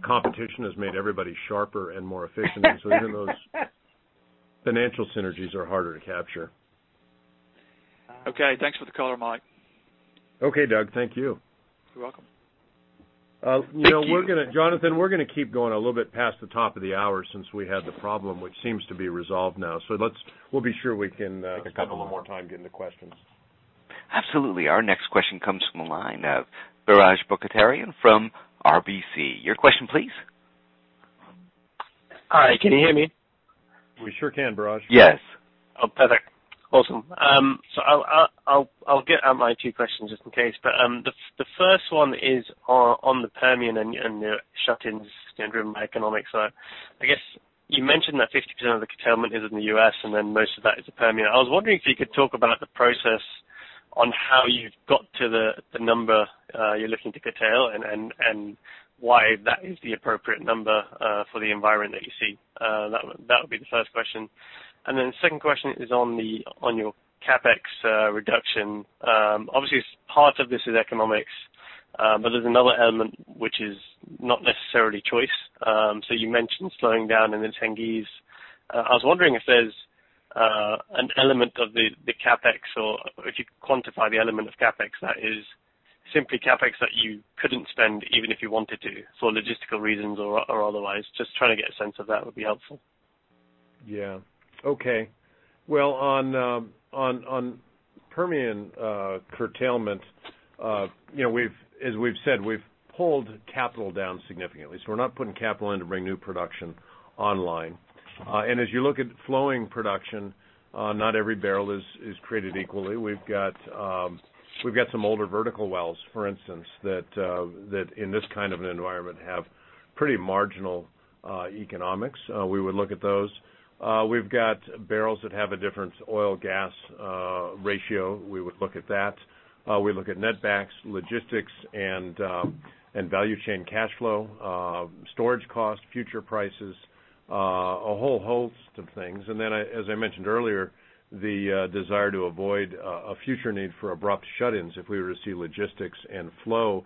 competition has made everybody sharper and more efficient. Even those financial synergies are harder to capture. Okay. Thanks for the color, Mike. Okay, Doug. Thank you. You're welcome. Thank you. Jonathan, we're going to keep going a little bit past the top of the hour since we had the problem, which seems to be resolved now. We'll be sure we can spend a little more time getting the questions. Absolutely. Our next question comes from the line of Biraj Borkhataria from RBC. Your question, please. Hi, can you hear me? We sure can, Biraj. Yes. Oh, perfect. Awesome. I'll get out my two questions just in case. The first one is on the Permian and the shut-ins driven by economics. I guess you mentioned that 50% of the curtailment is in the U.S. and then most of that is the Permian. I was wondering if you could talk about the process of how you've got to the number you're looking to curtail and why that is the appropriate number for the environment that you see. That would be the first question. Second question is on your CapEx reduction. Obviously, part of this is economics, but there's another element, which is not necessarily choice. You mentioned slowing down in the Tengiz. I was wondering if there's an element of the CapEx, or if you could quantify the element of CapEx that is simply CapEx that you couldn't spend even if you wanted to, for logistical reasons or otherwise. Just trying to get a sense of that would be helpful. Yeah. Okay. Well, on Permian curtailment, as we've said, we've pulled capital down significantly. We're not putting capital in to bring new production online. As you look at flowing production, not every barrel is created equally. We've got some older vertical wells, for instance, that in this kind of an environment, have pretty marginal economics. We would look at those. We've got barrels that have a different oil-gas ratio. We would look at that. We look at netbacks, logistics, value chain cash flow, storage costs, future prices, and a whole host of things. Then, as I mentioned earlier, the desire to avoid a future need for abrupt shut-ins if we were to see logistics and flow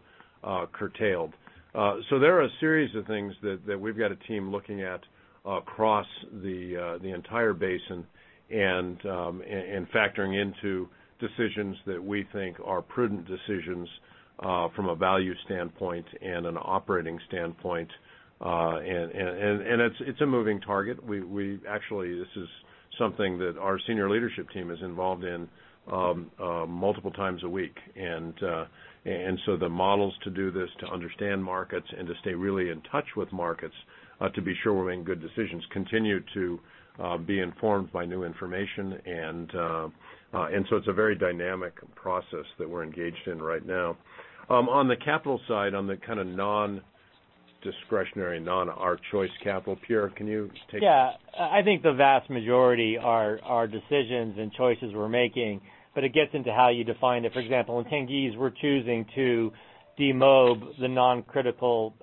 curtailed. There are a series of things that we've got a team looking at across the entire basin and factoring into decisions that we think are prudent decisions from a value standpoint and an operating standpoint. It's a moving target. Actually, this is something that our senior leadership team is involved in multiple times a week. The models to do this t understand markets and to stay really in touch with markets to be sure we're making good decisions and continue to be informed by new information. It's a very dynamic process that we're engaged in right now. On the capital side, on the non-discretionary, non-our-choice capital, Pierre, can you take that? I think the vast majority are decisions and choices we're making, but it gets into how you define it. For example, in Tengiz, we're choosing to demob the non-critical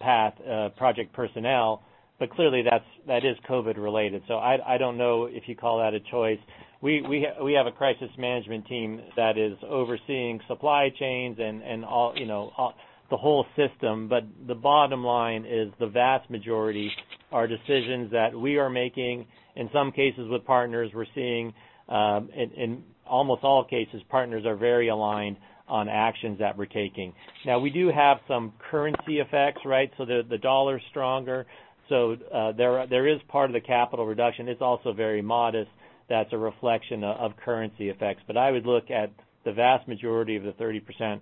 path project personnel, but clearly that is COVID related. I don't know if you call that a choice. We have a crisis management team that is overseeing supply chains and the whole system. The bottom line is the vast majority are decisions that we are making, in some cases, with partners we're seeing. In almost all cases, partners are very aligned on actions that we're taking. Now, we do have some currency effects, right? The dollar is stronger. There is part of the capital reduction. It's also very modest. That's a reflection of currency effects. I would look at the vast majority of the 30%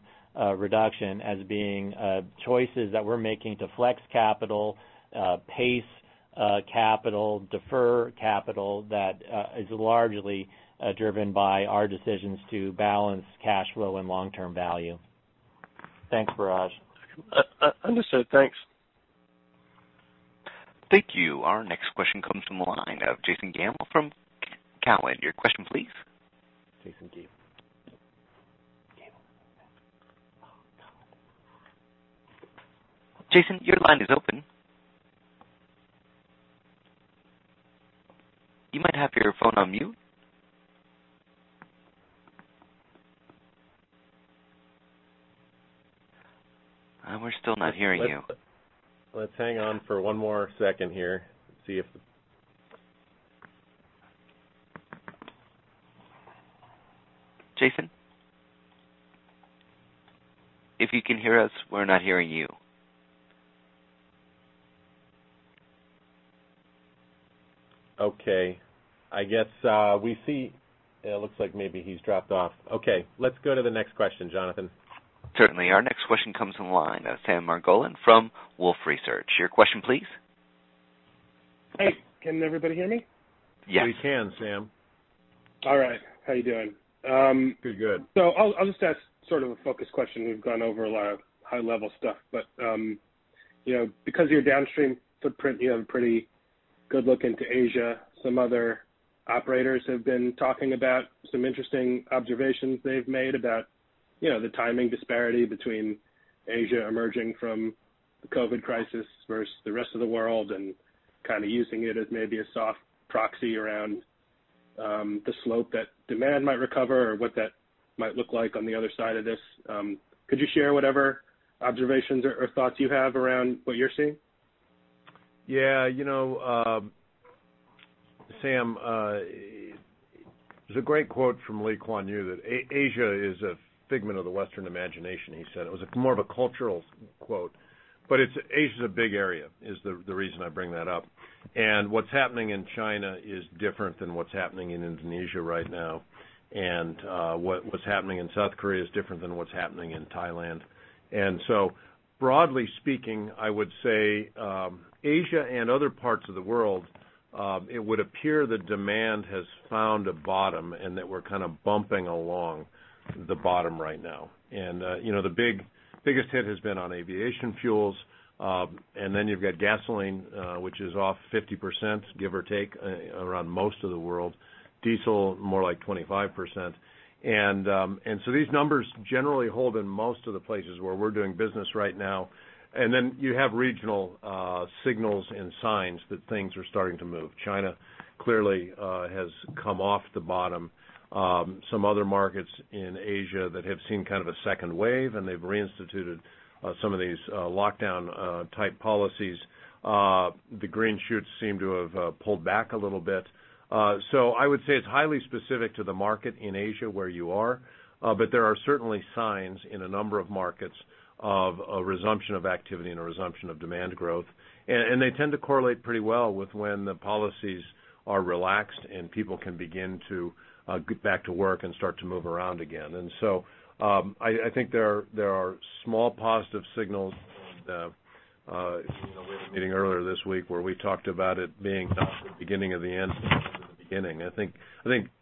reduction as being choices that we're making to flex capital, pace capital, and defer capital, which is largely driven by our decisions to balance cash flow and long-term value. Thanks, Biraj. Understood. Thanks. Thank you. Our next question comes from the line of Jason Gabelman from Cowen. Your question, please. Jason, your line is open. You might have your phone on mute. We're still not hearing you. Let's hang on for one more second here. Let's see. Jason? If you can hear us, we're not hearing you. Okay. It looks like maybe he's dropped off. Okay, let's go to the next question, Jonathan. Certainly. Our next question comes from the line of Sam Margolin from Wolfe Research. Your question, please. Hey, can everybody hear me? Yes. We can, Sam. All right. How are you doing? Pretty good. I'll just ask sort of a focus question. We've gone over a lot of high-level stuff, but because of your downstream footprint, you have a pretty good look into Asia. Some other operators have been talking about some interesting observations they've made about the timing disparity between Asia emerging from the COVID-19 crisis versus the rest of the world and kind of using it as maybe a soft proxy around the slope that demand might recover or what that might look like on the other side of this. Could you share whatever observations or thoughts you have around what you're seeing? Yeah. Sam, there's a great quote from Lee Kuan Yew: Asia is a figment of the Western imagination, he said. It was more of a cultural quote, but Asia's a big area; that is the reason I bring that up. What's happening in China is different than what's happening in Indonesia right now. What's happening in South Korea is different than what's happening in Thailand. So, broadly speaking, I would say in Asia and other parts of the world, it would appear that demand has found a bottom and that we're kind of bumping along the bottom right now. The biggest hit has been on aviation fuels. Then you've got gasoline, which is off 50%, give or take, around most of the world. Diesel, more like 25%. So these numbers generally hold in most of the places where we're doing business right now. You have regional signals and signs that things are starting to move. China clearly has come off the bottom. Some other markets in Asia have seen kind of a second wave, and they've reinstituted some of these lockdown-type policies, the green shoots seem to have pulled back a little bit. I would say it's highly specific to the market in Asia where you are. There are certainly signs in a number of markets of a resumption of activity and a resumption of demand growth. They tend to correlate pretty well with when the policies are relaxed and people can begin to get back to work and start to move around again. I think there are small positive signals. We had a meeting earlier this week where we talked about it being not the beginning of the end, but the beginning. I think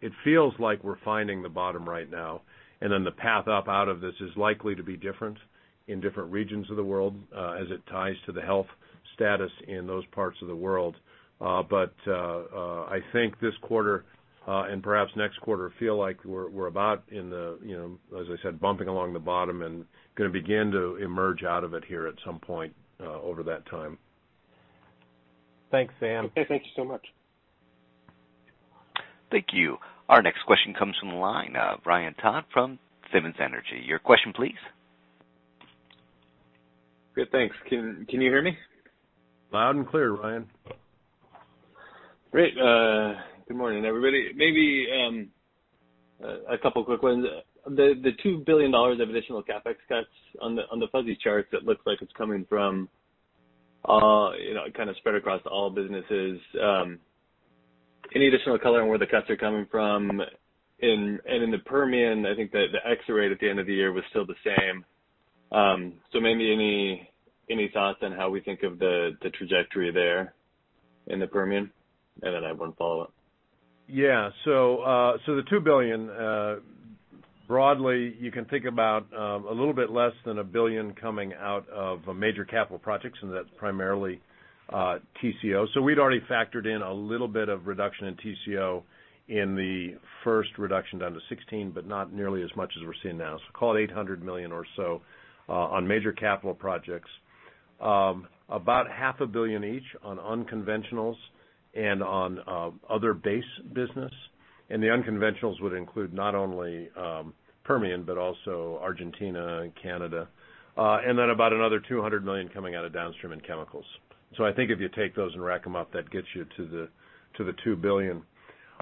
it feels like we're finding the bottom right now, and then the path up out of this is likely to be different in different regions of the world as it ties to the health status in those parts of the world. I think this quarter, and perhaps next quarter, feels like we're about, as I said, bumping along the bottom and going to begin to emerge out of it here at some point over that time. Thanks, Sam. Okay. Thank you so much. Thank you. Our next question comes from the line of Ryan Todd from Simmons Energy. Your question, please. Good, thanks. Can you hear me? Loud and clear, Ryan. Great. Good morning, everybody. Maybe a couple quick ones. The $2 billion of additional CapEx cuts on the fuzzy chart looks like it's coming from kind of spread across all businesses. Any additional color on where the cuts are coming from? In the Permian, I think that the X rate at the end of the year was still the same. Maybe any thoughts on how we think of the trajectory there in the Permian? Then I have one follow-up. Yeah. The $2 billion, broadly, you can think about a little bit less than $1 billion coming out of major capital projects, and that's primarily Tengizchevroil. We'd already factored in a little bit of reduction in TCO in the first reduction down to 16, but not nearly as much as we're seeing now. Call it $800 million or so on major capital projects. About half a billion each on unconventional and other base businesses. The unconventionals would include not only Permian but also Argentina and Canada. Then about another $200 million is coming out of downstream and chemicals. I think if you take those and rack them up, that gets you to the $2 billion.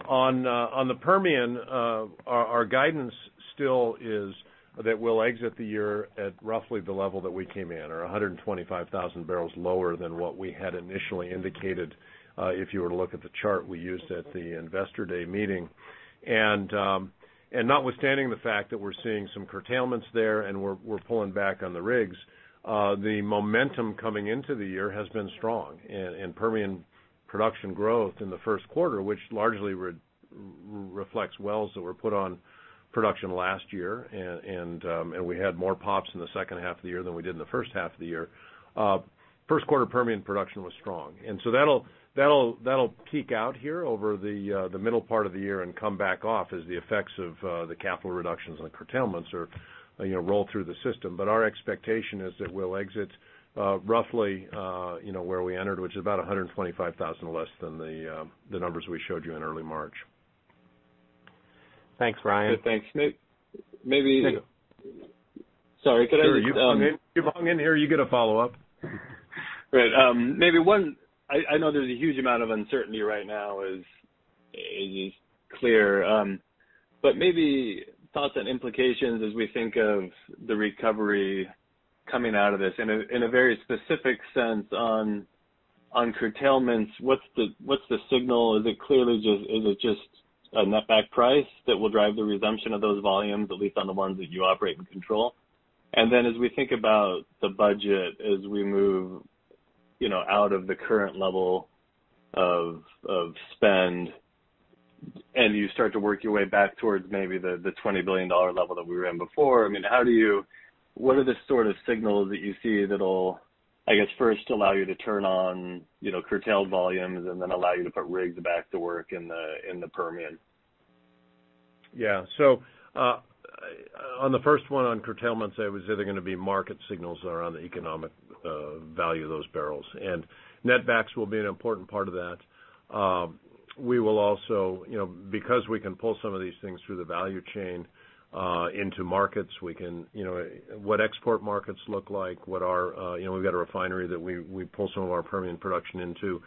On the Permian, our guidance still is that we'll exit the year at roughly the level that we came in, or 125,000 barrels lower than what we had initially indicated, if you were to look at the chart we used at the Investor Day meeting. Notwithstanding the fact that we're seeing some curtailments there and we're pulling back on the rigs, the momentum coming into the year has been strong. Permian production growth in the first quarter, which largely reflects wells that were put on production last year, and we had more POPs in the second half of the year than we did in the first half of the year. First-quarter Permian production was strong, and so that'll peak out here over the middle part of the year and come back off as the effects of the capital reductions and the curtailments roll through the system. Our expectation is that we'll exit roughly where we entered, which is about 125,000 less than the numbers we showed you in early March. Thanks, Ryan. Good, thanks. Sorry, could I just. Sure, you've hung in here, you get a follow-up. Great. I know there's a huge amount of uncertainty right now, that's clear, but maybe thoughts and implications as we think of the recovery coming out of this in a very specific sense on curtailments: what's the signal? Is it just a netback price that will drive the resumption of those volumes, at least on the ones that you operate and control? Then as we think about the budget, as we move out of the current level of spend and you start to work your way back towards maybe the $20 billion level that we were in before, what are the sort of signals that you see that'll, I guess, first allow you to turn on curtailed volumes and then allow you to put rigs back to work in the Permian? Yeah. On the first one on curtailments, I would say they're going to be market signals around the economic value of those barrels. Net backs will be an important part of that. We can pull some of these things through the value chain into markets, which export markets look like. We've got a refinery that we pull some of our Permian production into.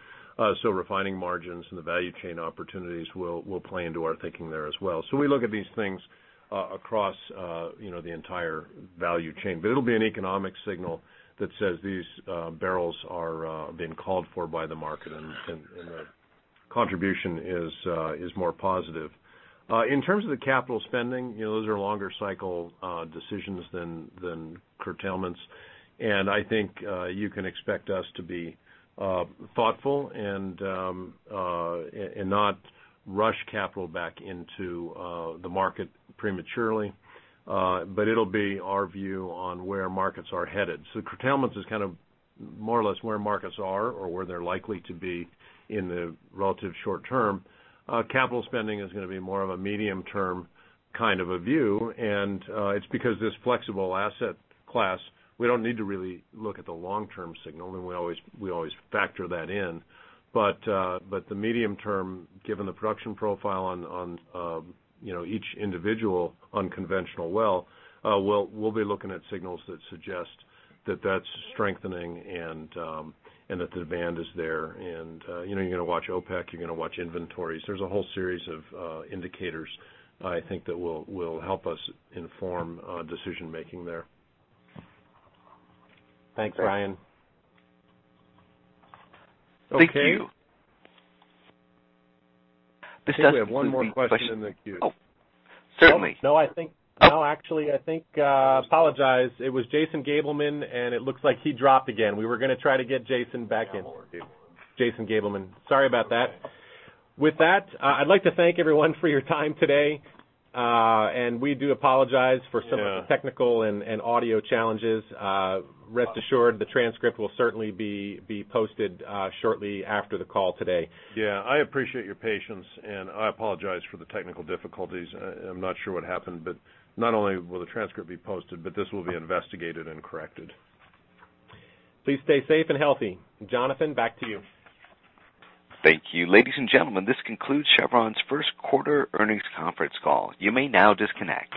Refining margins and the value chain opportunities will play into our thinking there as well. We look at these things across the entire value chain. It'll be an economic signal that says these barrels are being called for by the market and the contribution is more positive. In terms of the capital spending, those are longer cycle decisions than curtailments. I think you can expect us to be thoughtful and not rush capital back into the market prematurely. It'll be our view on where markets are headed. Curtailments are kind of more or less where markets are or where they're likely to be in the relative short term. Capital spending is going to be more of a medium-term kind of view, and it's because with this flexible asset class, we don't need to really look at the long-term signal, and we always factor that in. The medium term, given the production profile on each individual unconventional well, we'll be looking at signals that suggest that that's strengthening and that the demand is there. You're going to watch OPEC, you're going to watch inventories. There's a whole series of indicators, I think, that will help us inform decision-making there. Thanks, Ryan. Thank you. I think we have one more question in the queue. Oh, certainly. No, actually, I apologize. It was Jason Gabelman, and it looks like he dropped again. We were going to try to get Jason back in. Yeah. Jason Gabelman. Sorry about that. With that, I'd like to thank everyone for your time today. We do apologize for some of the technical and audio challenges. Rest assured, the transcript will certainly be posted shortly after the call today. Yeah, I appreciate your patience, and I apologize for the technical difficulties. I'm not sure what happened, but not only will the transcript be posted, but also this will be investigated and corrected. Please stay safe and healthy. Jonathan, back to you. Thank you. Ladies and gentlemen, this concludes Chevron's first quarter earnings conference call. You may now disconnect.